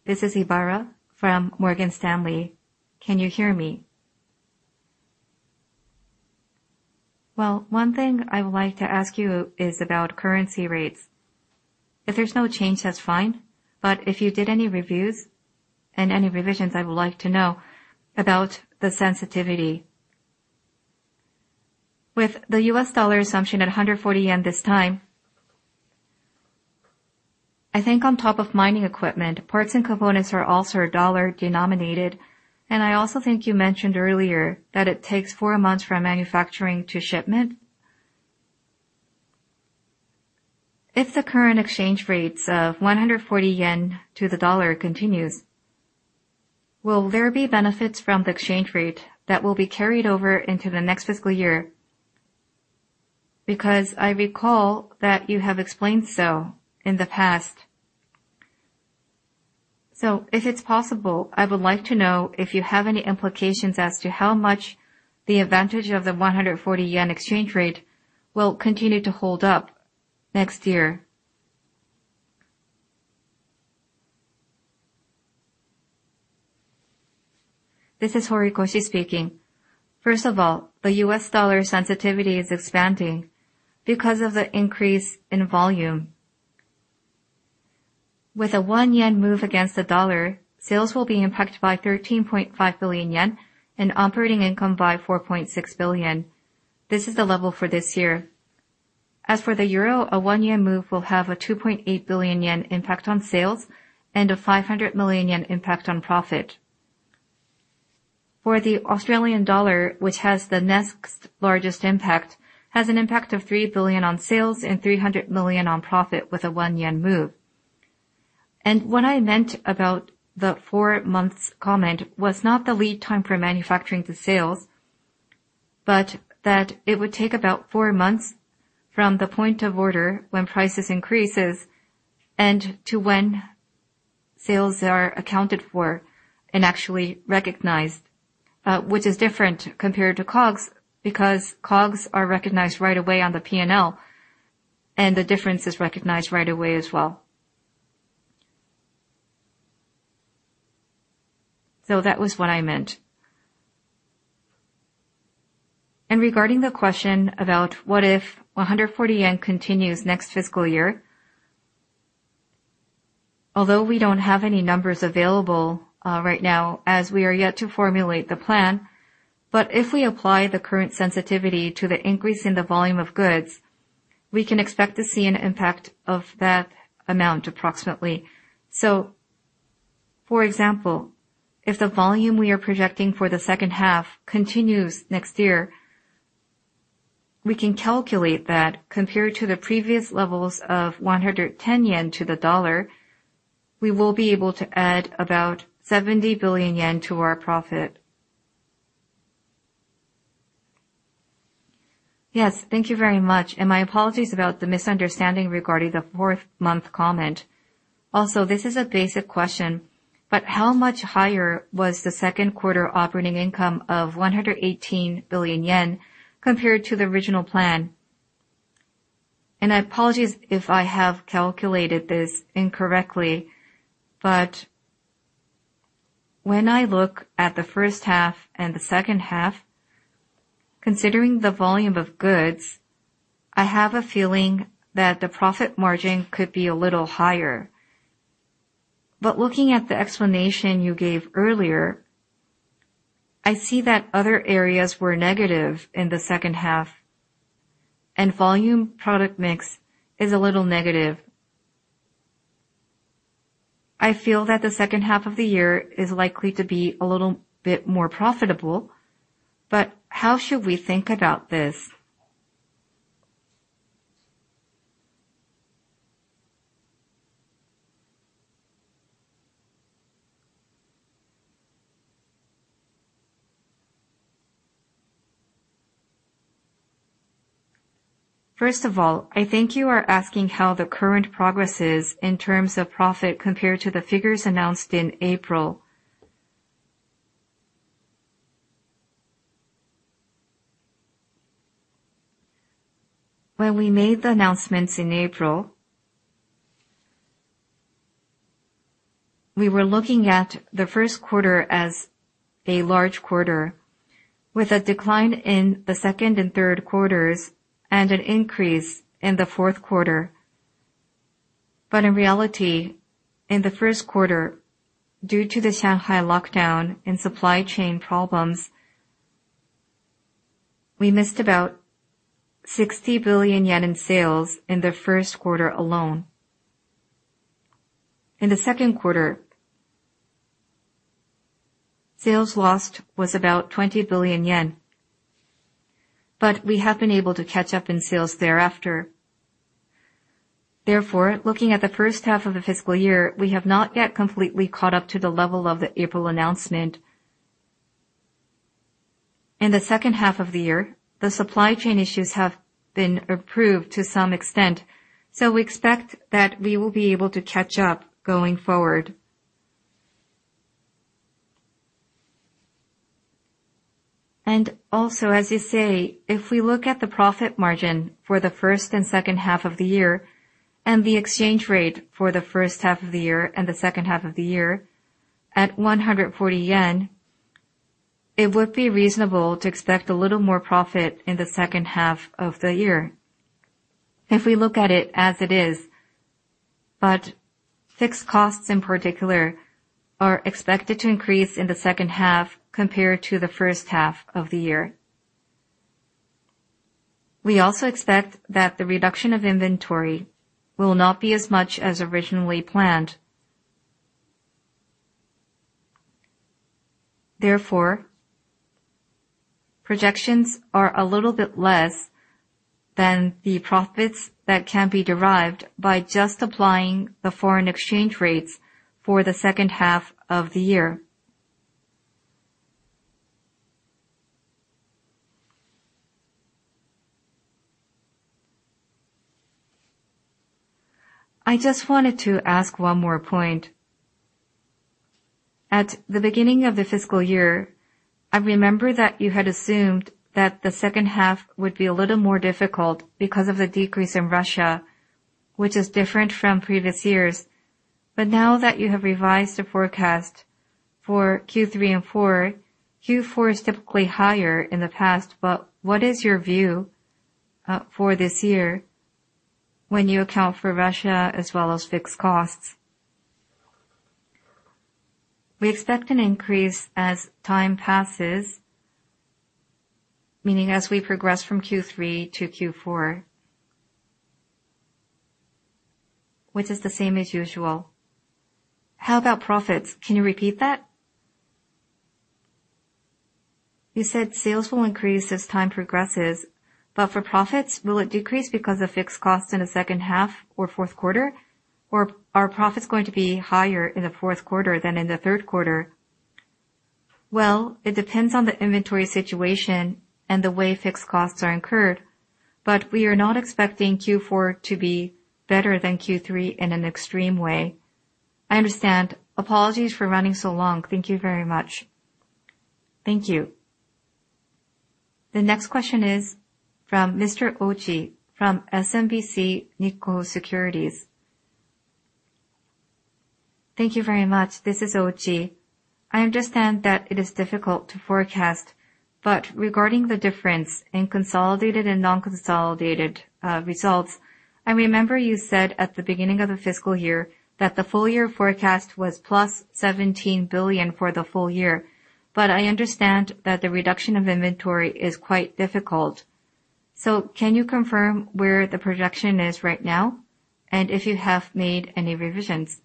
This is Ibara from Morgan Stanley. Can you hear me? Well, one thing I would like to ask you is about currency rates. If there's no change, that's fine, but if you did any reviews and any revisions, I would like to know about the sensitivity. With the U.S. dollar assumption at 140 yen this time, I think on top of mining equipment, parts and components are also dollar denominated. I also think you mentioned earlier that it takes 4 months from manufacturing to shipment. If the current exchange rates of 140 yen to the dollar continues, will there be benefits from the exchange rate that will be carried over into the next fiscal year? Because I recall that you have explained so in the past. If it's possible, I would like to know if you have any implications as to how much the advantage of the 140 yen exchange rate will continue to hold up next year. This is Horikoshi speaking. First of all, the U.S. dollar sensitivity is expanding because of the increase in volume. With a 1 yen move against the dollar, sales will be impacted by 13.5 billion yen and operating income by 4.6 billion. This is the level for this year. As for the euro, a 1 yen move will have a 2.8 billion yen impact on sales and a 500 million yen impact on profit. For the Australian dollar, which has the next largest impact, has an impact of 3 billion on sales and 300 million on profit with a 1 yen move. What I meant about the 4 months comment was not the lead time for manufacturing to sales, but that it would take about 4 months from the point of order when prices increases and to when sales are accounted for and actually recognized, which is different compared to COGS, because COGS are recognized right away on the P&L, and the difference is recognized right away as well. That was what I meant. Regarding the question about what if 140 yen continues next fiscal year, although we don't have any numbers available right now, as we are yet to formulate the plan, but if we apply the current sensitivity to the increase in the volume of goods, we can expect to see an impact of that amount approximately. For example, if the volume we are projecting for the second half continues next year, we can calculate that compared to the previous levels of 110 yen to the dollar, we will be able to add about 70 billion yen to our profit. Yes. Thank you very much. My apologies about the misunderstanding regarding the 4th month comment. This is a basic question, but how much higher was the second quarter operating income of 118 billion yen compared to the original plan? I apologize if I have calculated this incorrectly, but when I look at the first half and the second half, considering the volume of goods, I have a feeling that the profit margin could be a little higher. Looking at the explanation you gave earlier, I see that other areas were negative in the second half, and volume product mix is a little negative. I feel that the second half of the year is likely to be a little bit more profitable. How should we think about this? First of all, I think you are asking how the current progress is in terms of profit compared to the figures announced in April. When we made the announcements in April, we were looking at the first quarter as a large quarter, with a decline in the second and third quarters, and an increase in the fourth quarter. In reality, in the first quarter, due to the Shanghai lockdown and supply chain problems, we missed about 60 billion yen in sales in the first quarter alone. In the second quarter, sales lost was about 20 billion yen. We have been able to catch up in sales thereafter. Therefore, looking at the first half of the fiscal year, we have not yet completely caught up to the level of the April announcement. In the second half of the year, the supply chain issues have been improved to some extent, so we expect that we will be able to catch up going forward. As you say, if we look at the profit margin for the first and second half of the year, and the exchange rate for the first half of the year and the second half of the year at 140 yen, it would be reasonable to expect a little more profit in the second half of the year. If we look at it as it is, but fixed costs in particular are expected to increase in the second half compared to the first half of the year. We also expect that the reduction of inventory will not be as much as originally planned. Therefore, projections are a little bit less than the profits that can be derived by just applying the foreign exchange rates for the second half of the year. I just wanted to ask one more point. At the beginning of the fiscal year, I remember that you had assumed that the second half would be a little more difficult because of the decrease in Russia, which is different from previous years. Now that you have revised the forecast for Q3 and Q4 is typically higher in the past, but what is your view for this year when you account for Russia as well as fixed costs? We expect an increase as time passes, meaning as we progress from Q3 to Q4. Which is the same as usual. How about profits? Can you repeat that? You said sales will increase as time progresses, but for profits, will it decrease because of fixed costs in the second half or fourth quarter? Or are profits going to be higher in the fourth quarter than in the third quarter? Well, it depends on the inventory situation and the way fixed costs are incurred. We are not expecting Q4 to be better than Q3 in an extreme way. I understand. Apologies for running so long. Thank you very much. Thank you. The next question is from Mr. Ochi from SMBC Nikko Securities. Thank you very much. This is Ochi. I understand that it is difficult to forecast, but regarding the difference in consolidated and non-consolidated results, I remember you said at the beginning of the fiscal year that the full year forecast was +17 billion for the full year. I understand that the reduction of inventory is quite difficult. Can you confirm where the projection is right now? And if you have made any revisions?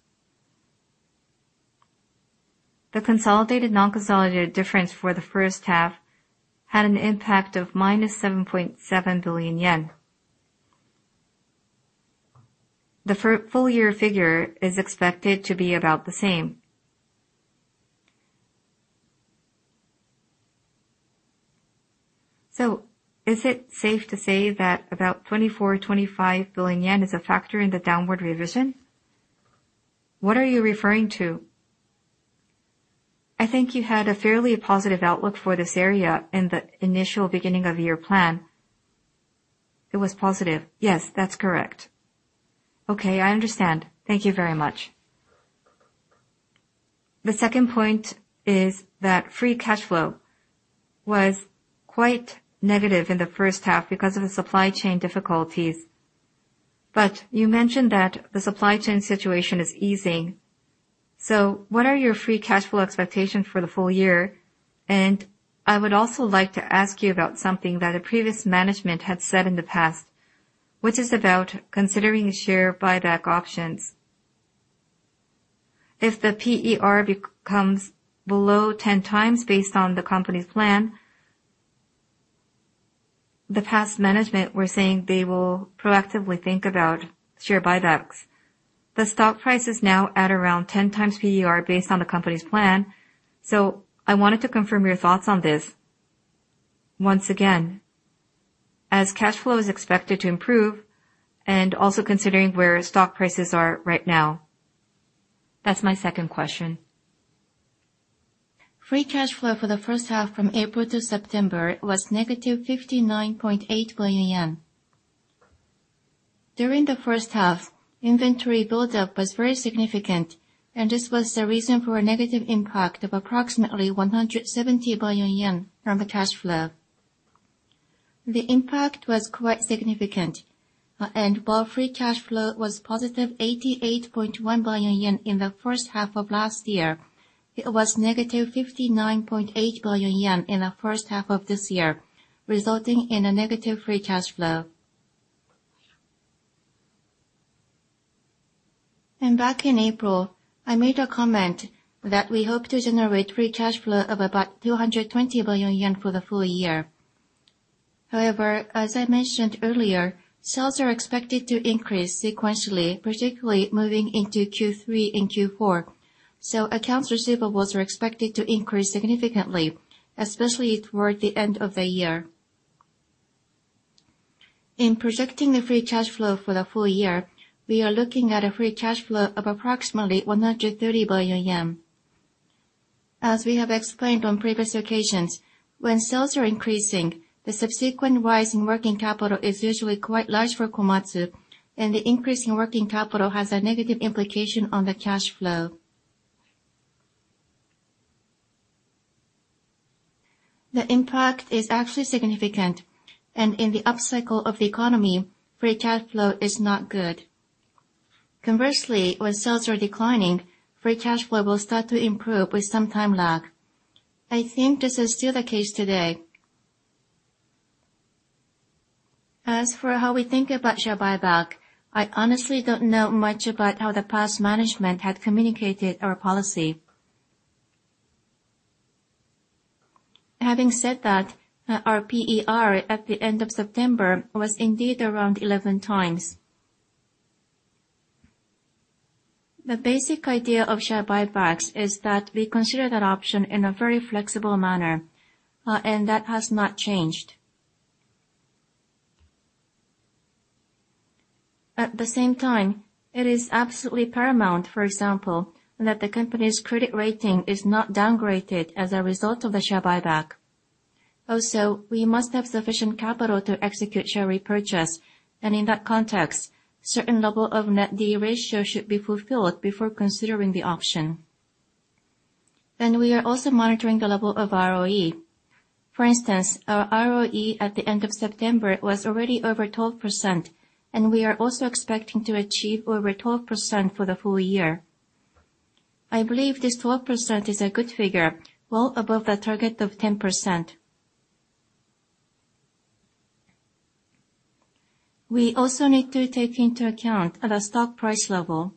The consolidated, non-consolidated difference for the first half had an impact of -7.7 billion yen. Full year figure is expected to be about the same. Is it safe to say that about 24 billion-25 billion yen is a factor in the downward revision? What are you referring to? I think you had a fairly positive outlook for this area in the initial beginning of year plan. It was positive. Yes, that's correct. Okay, I understand. Thank you very much. The second point is that free cash flow was quite negative in the first half because of the supply chain difficulties. You mentioned that the supply chain situation is easing. What are your free cash flow expectations for the full year? I would also like to ask you about something that a previous management had said in the past, which is about considering share buyback options. If the PER becomes below 10x based on the company's plan, the past management were saying they will proactively think about share buybacks. The stock price is now at around 10x PER based on the company's plan. I wanted to confirm your thoughts on this once again, as cash flow is expected to improve and also considering where stock prices are right now. That's my second question. Free cash flow for the first half from April to September was -59.8 billion yen. During the first half, inventory buildup was very significant, and this was the reason for a negative impact of approximately 170 billion yen from the cash flow. The impact was quite significant. While free cash flow was +88.1 billion yen in the first half of last year, it was -59.8 billion yen in the first half of this year, resulting in a negative free cash flow. Back in April, I made a comment that we hope to generate free cash flow of about JPY 220 billion for the full year. However, as I mentioned earlier, sales are expected to increase sequentially, particularly moving into Q3 and Q4. Accounts receivables are expected to increase significantly, especially toward the end of the year. In projecting the free cash flow for the full year, we are looking at a free cash flow of approximately 130 billion yen. As we have explained on previous occasions, when sales are increasing, the subsequent rise in working capital is usually quite large for Komatsu, and the increase in working capital has a negative implication on the cash flow. The impact is actually significant, and in the upcycle of the economy, free cash flow is not good. Conversely, when sales are declining, free cash flow will start to improve with some time lag. I think this is still the case today. As for how we think about share buyback, I honestly don't know much about how the past management had communicated our policy. Having said that, our PER at the end of September was indeed around 11x. The basic idea of share buybacks is that we consider that option in a very flexible manner, and that has not changed. At the same time, it is absolutely paramount, for example, that the company's credit rating is not downgraded as a result of the share buyback. Also, we must have sufficient capital to execute share repurchase. In that context, certain level of net D/E ratio should be fulfilled before considering the option. We are also monitoring the level of ROE. For instance, our ROE at the end of September was already over 12%, and we are also expecting to achieve over 12% for the full year. I believe this 12% is a good figure, well above the target of 10%. We also need to take into account the stock price level.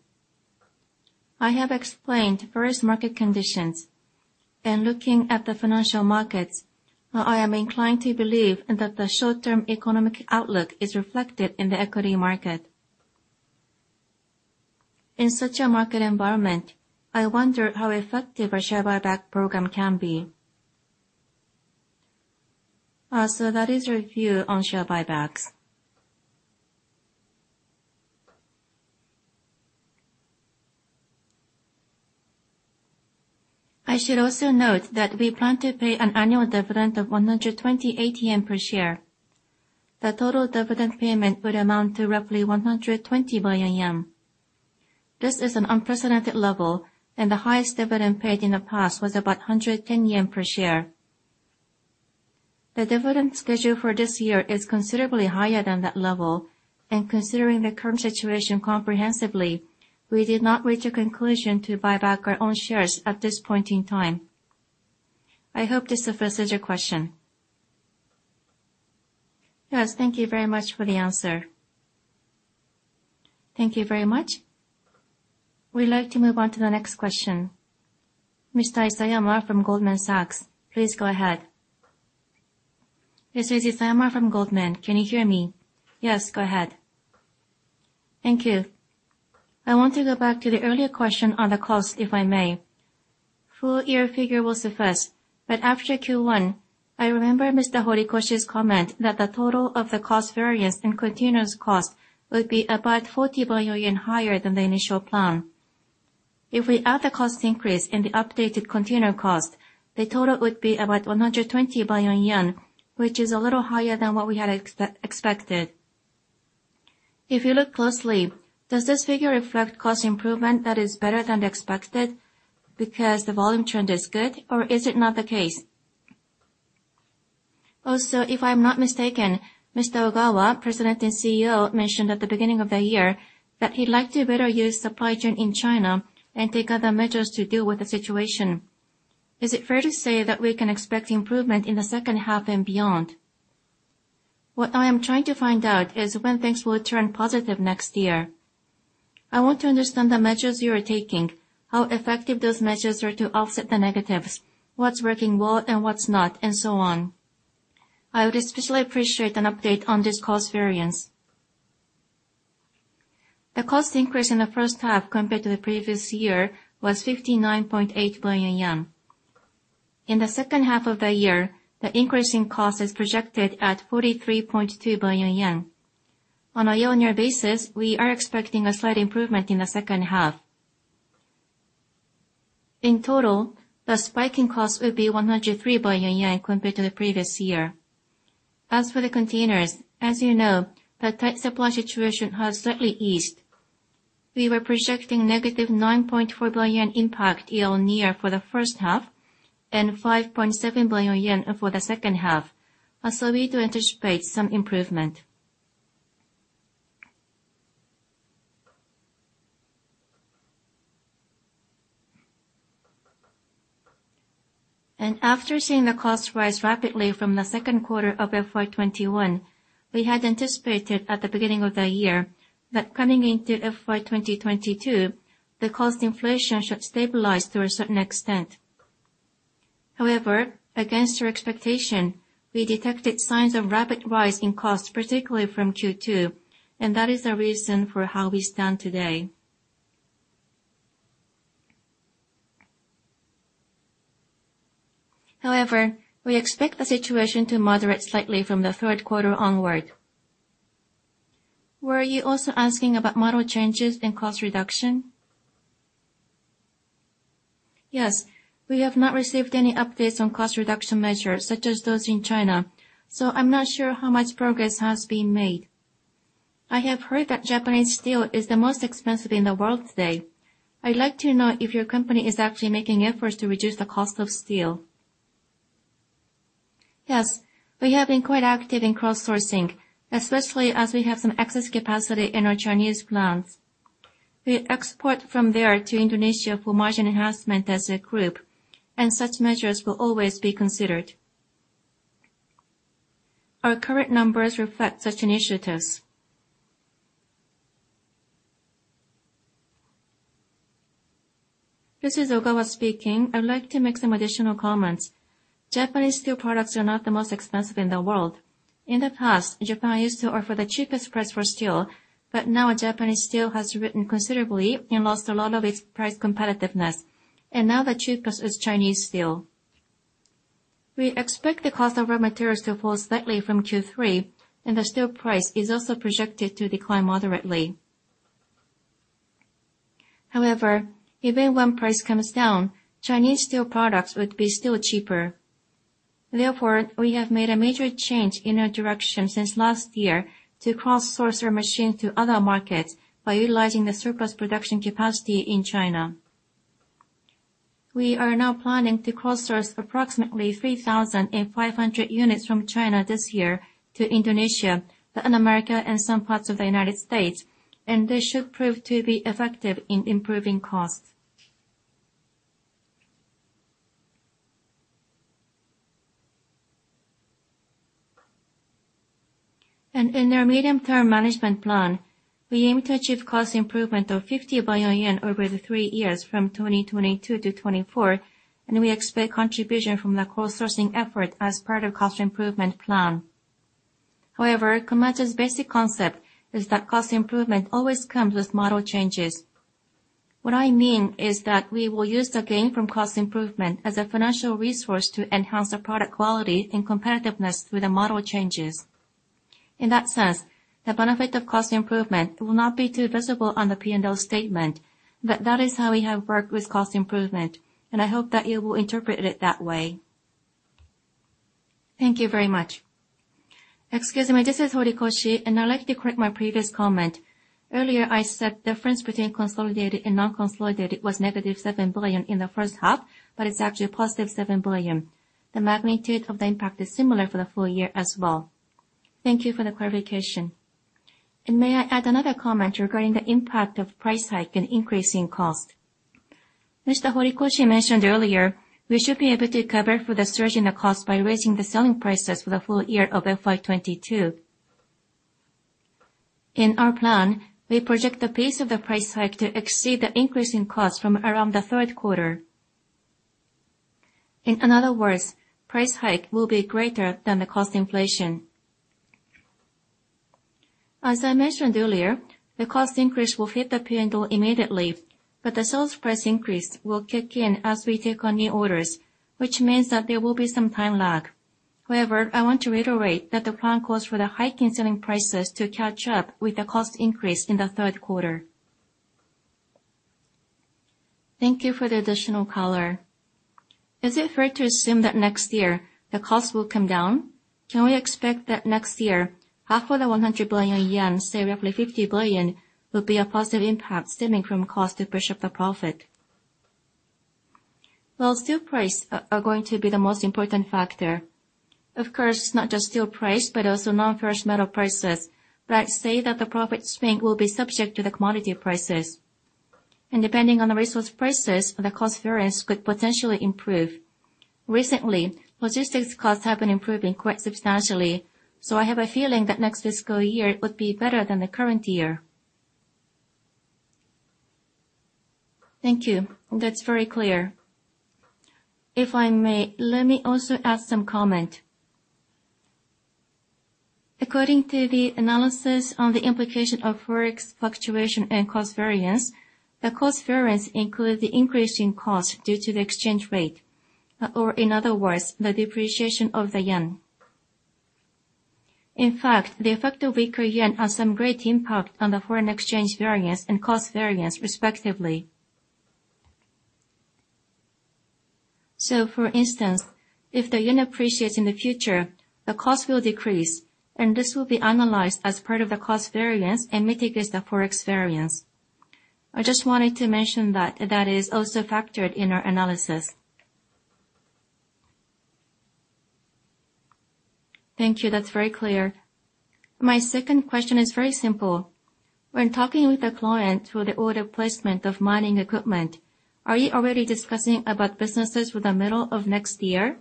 I have explained various market conditions. Looking at the financial markets, I am inclined to believe that the short-term economic outlook is reflected in the equity market. In such a market environment, I wonder how effective a share buyback program can be. So that is our view on share buybacks. I should also note that we plan to pay an annual dividend of 128 per share. The total dividend payment would amount to roughly 120 billion yen. This is an unprecedented level, and the highest dividend paid in the past was about 110 yen per share. The dividend schedule for this year is considerably higher than that level. Considering the current situation comprehensively, we did not reach a conclusion to buy back our own shares at this point in time. I hope this addresses your question. Yes, thank you very much for the answer. Thank you very much. We'd like to move on to the next question. Mr. Isayama from Goldman Sachs, please go ahead. This is Isayama from Goldman. Can you hear me? Yes, go ahead. Thank you. I want to go back to the earlier question on the cost, if I may. Full year figure was the first, but after Q1, I remember Mr. Horikoshi's comment that the total of the cost variance and continuous cost would be about 40 billion yen higher than the initial plan. If we add the cost increase in the updated container cost, the total would be about 120 billion yen, which is a little higher than what we had expected. If you look closely, does this figure reflect cost improvement that is better than expected because the volume trend is good, or is it not the case? Also, if I'm not mistaken, Mr. Ogawa, President and CEO, mentioned at the beginning of the year that he'd like to better use supply chain in China and take other measures to deal with the situation. Is it fair to say that we can expect improvement in the second half and beyond? What I am trying to find out is when things will turn positive next year. I want to understand the measures you are taking, how effective those measures are to offset the negatives, what's working well and what's not, and so on. I would especially appreciate an update on this cost variance. The cost increase in the first half compared to the previous year was 59.8 billion yen. In the second half of the year, the increase in cost is projected at 43.2 billion yen. On a year-on-year basis, we are expecting a slight improvement in the second half. In total, the spike in cost would be 103 billion yen compared to the previous year. As for the containers, as you know, the tight supply situation has slightly eased. We were projecting -9.4 billion yen impact year-on-year for the first half and 5.7 billion yen for the second half. Also, we do anticipate some improvement. After seeing the cost rise rapidly from the second quarter of FY 2021, we had anticipated at the beginning of the year that coming into FY 2022, the cost inflation should stabilize to a certain extent. However, against your expectation, we detected signs of rapid rise in cost, particularly from Q2, and that is the reason for how we stand today. However, we expect the situation to moderate slightly from the third quarter onward. Were you also asking about model changes and cost reduction? Yes. We have not received any updates on cost reduction measures such as those in China, so I'm not sure how much progress has been made. I have heard that Japanese steel is the most expensive in the world today. I'd like to know if your company is actually making efforts to reduce the cost of steel. Yes. We have been quite active in cross-sourcing, especially as we have some excess capacity in our Chinese plants. We export from there to Indonesia for margin enhancement as a group, and such measures will always be considered. Our current numbers reflect such initiatives. This is Ogawa speaking. I would like to make some additional comments. Japanese steel products are not the most expensive in the world. In the past, Japan used to offer the cheapest price for steel, but now Japanese steel has risen considerably and lost a lot of its price competitiveness. Now the cheapest is Chinese steel. We expect the cost of raw materials to fall slightly from Q3, and the steel price is also projected to decline moderately. However, even when price comes down, Chinese steel products would be still cheaper. Therefore, we have made a major change in our direction since last year to cross-source our machines to other markets by utilizing the surplus production capacity in China. We are now planning to cross-source approximately 3,500 units from China this year to Indonesia, Latin America, and some parts of the United States, and this should prove to be effective in improving costs. In our medium-term management plan, we aim to achieve cost improvement of 50 billion yen over the 3 years from 2022 to 2024, and we expect contribution from the cross-sourcing effort as part of cost improvement plan. However, Komatsu's basic concept is that cost improvement always comes with model changes. What I mean is that we will use the gain from cost improvement as a financial resource to enhance the product quality and competitiveness through the model changes. In that sense, the benefit of cost improvement will not be too visible on the P&L statement, but that is how we have worked with cost improvement, and I hope that you will interpret it that way. Thank you very much. Excuse me. This is Horikoshi, and I'd like to correct my previous comment. Earlier, I said difference between consolidated and non-consolidated was -7 billion in the first half, but it's actually +7 billion. The magnitude of the impact is similar for the full year as well. Thank you for the clarification. May I add another comment regarding the impact of price hike and increase in cost? Mr. Horikoshi mentioned earlier we should be able to cover for the surge in the cost by raising the selling prices for the full year of FY 2022. In our plan, we project the pace of the price hike to exceed the increase in cost from around the third quarter. In other words, price hike will be greater than the cost inflation. As I mentioned earlier, the cost increase will hit the P&L immediately, but the sales price increase will kick in as we take on new orders, which means that there will be some time lag. However, I want to reiterate that the plan calls for the hike in selling prices to catch up with the cost increase in the third quarter. Thank you for the additional color. Is it fair to assume that next year the costs will come down? Can we expect that next year, half of the 100 billion yen, say roughly 50 billion, will be a positive impact stemming from cost to push up the profit? Well, steel prices are going to be the most important factor. Of course, not just steel prices, but also non-ferrous metal prices. I'd say that the profit swing will be subject to the commodity prices. Depending on the resource prices, the cost variance could potentially improve. Recently, logistics costs have been improving quite substantially, so I have a feeling that next fiscal year it would be better than the current year. Thank you. That's very clear. If I may, let me also add some comment. According to the analysis on the implication of FX fluctuation and cost variance, the cost variance includes the increase in cost due to the exchange rate, or in other words, the depreciation of the yen. In fact, the effect of weaker yen has some great impact on the foreign exchange variance and cost variance, respectively. For instance, if the yen appreciates in the future, the cost will decrease, and this will be analyzed as part of the cost variance and mitigated the FX variance. I just wanted to mention that is also factored in our analysis. Thank you. That's very clear. My second question is very simple. When talking with the client through the order placement of mining equipment, are you already discussing about businesses for the middle of next year?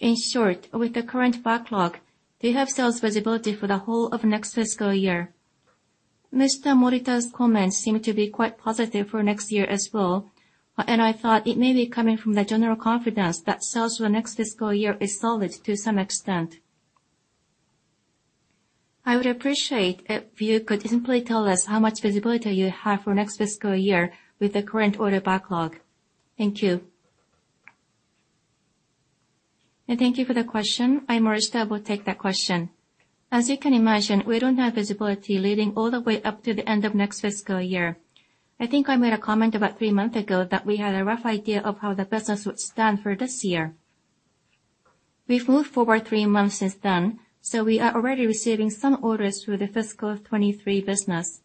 In short, with the current backlog, do you have sales visibility for the whole of next fiscal year? Mr. Morishita's comments seem to be quite positive for next year as well, and I thought it may be coming from the general confidence that sales for next fiscal year is solid to some extent. I would appreciate if you could simply tell us how much visibility you have for next fiscal year with the current order backlog. Thank you. Thank you for the question. I, Morishita, will take that question. As you can imagine, we don't have visibility leading all the way up to the end of next fiscal year. I think I made a comment about 3 months ago that we had a rough idea of how the business would stand for this year. We've moved forward 3 months since then, so we are already receiving some orders for the fiscal 2023 business.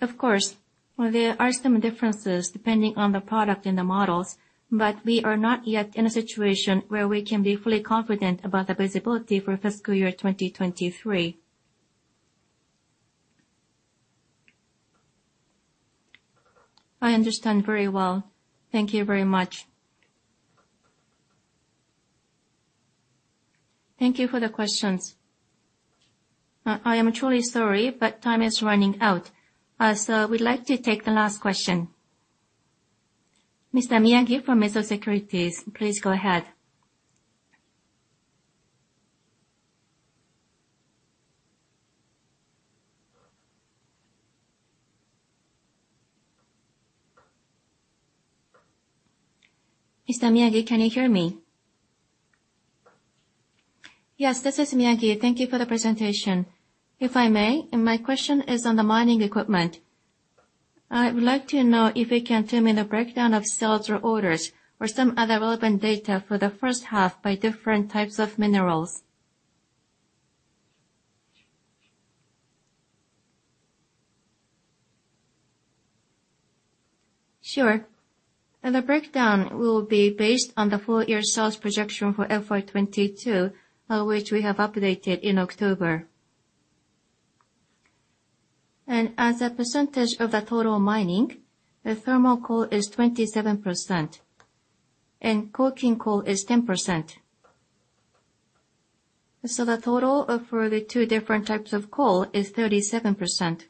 Of course, there are some differences depending on the product and the models, but we are not yet in a situation where we can be fully confident about the visibility for fiscal year 2023. I understand very well. Thank you very much. Thank you for the questions. I am truly sorry, but time is running out. So we'd like to take the last question. Mr. Miyagi from Mizuho Securities, please go ahead. Mr. Miyagi, can you hear me? Yes, this is Miyagi. Thank you for the presentation. If I may, and my question is on the mining equipment. I would like to know if you can tell me the breakdown of sales or orders or some other relevant data for the first half by different types of minerals. Sure. The breakdown will be based on the full year sales projection for FY 2022, which we have updated in October. As a percentage of the total mining, the thermal coal is 27% and coking coal is 10%. The total for the two different types of coal is 37%.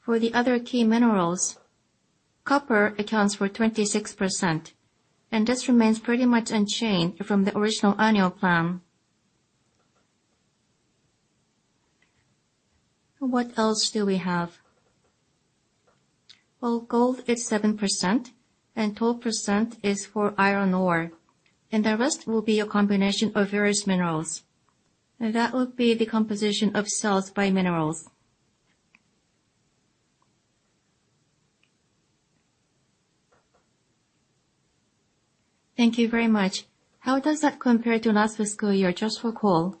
For the other key minerals, copper accounts for 26%, and this remains pretty much unchanged from the original annual plan. What else do we have? Well, gold is 7%, and 12% is for iron ore. The rest will be a combination of various minerals. That would be the composition of sales by minerals. Thank you very much. How does that compare to last fiscal year just for coal?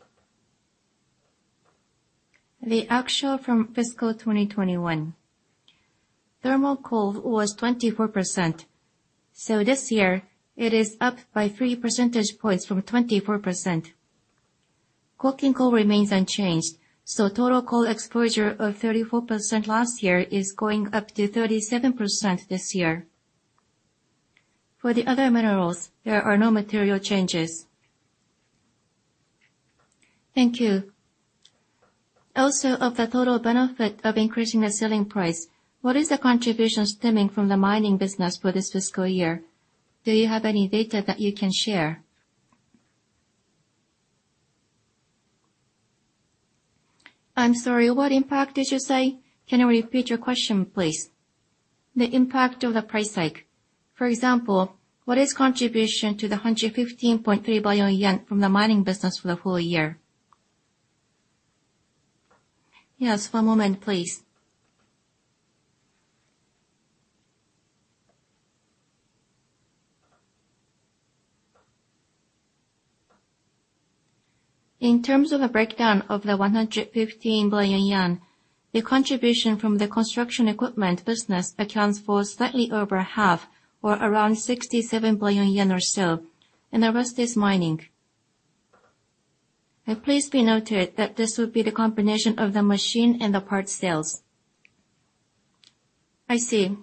The actual from fiscal 2021. Thermal coal was 24%, so this year it is up by 3 percentage points from 24%. Coking coal remains unchanged, so total coal exposure of 34% last year is going up to 37% this year. For the other minerals, there are no material changes. Thank you. Also, of the total benefit of increasing the selling price, what is the contribution stemming from the mining business for this fiscal year? Do you have any data that you can share? I'm sorry, what impact did you say? Can you repeat your question, please? The impact of the price hike. For example, what is contribution to the 115.3 billion yen from the mining business for the full year? Yes. One moment, please. In terms of a breakdown of the 115 billion yen, the contribution from the construction equipment business accounts for slightly over half or around 67 billion yen or so, and the rest is mining. Please be noted that this would be the combination of the machine and the parts sales. I see.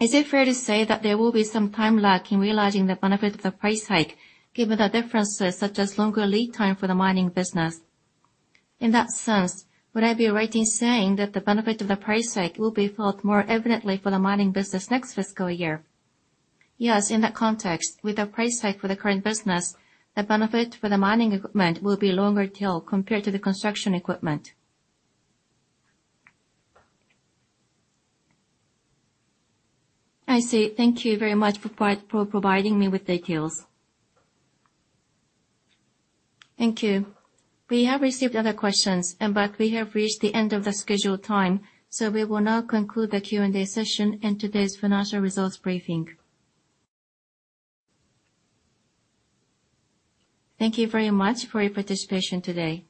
Is it fair to say that there will be some time lag in realizing the benefit of the price hike, given the differences such as longer lead time for the mining business? In that sense, would I be right in saying that the benefit of the price hike will be felt more evidently for the mining business next fiscal year? Yes. In that context, with the price hike for the current business, the benefit for the mining equipment will be longer till compared to the construction equipment. I see. Thank you very much for providing me with details. Thank you. We have received other questions, but we have reached the end of the scheduled time, so we will now conclude the Q&A session and today's financial results briefing. Thank you very much for your participation today.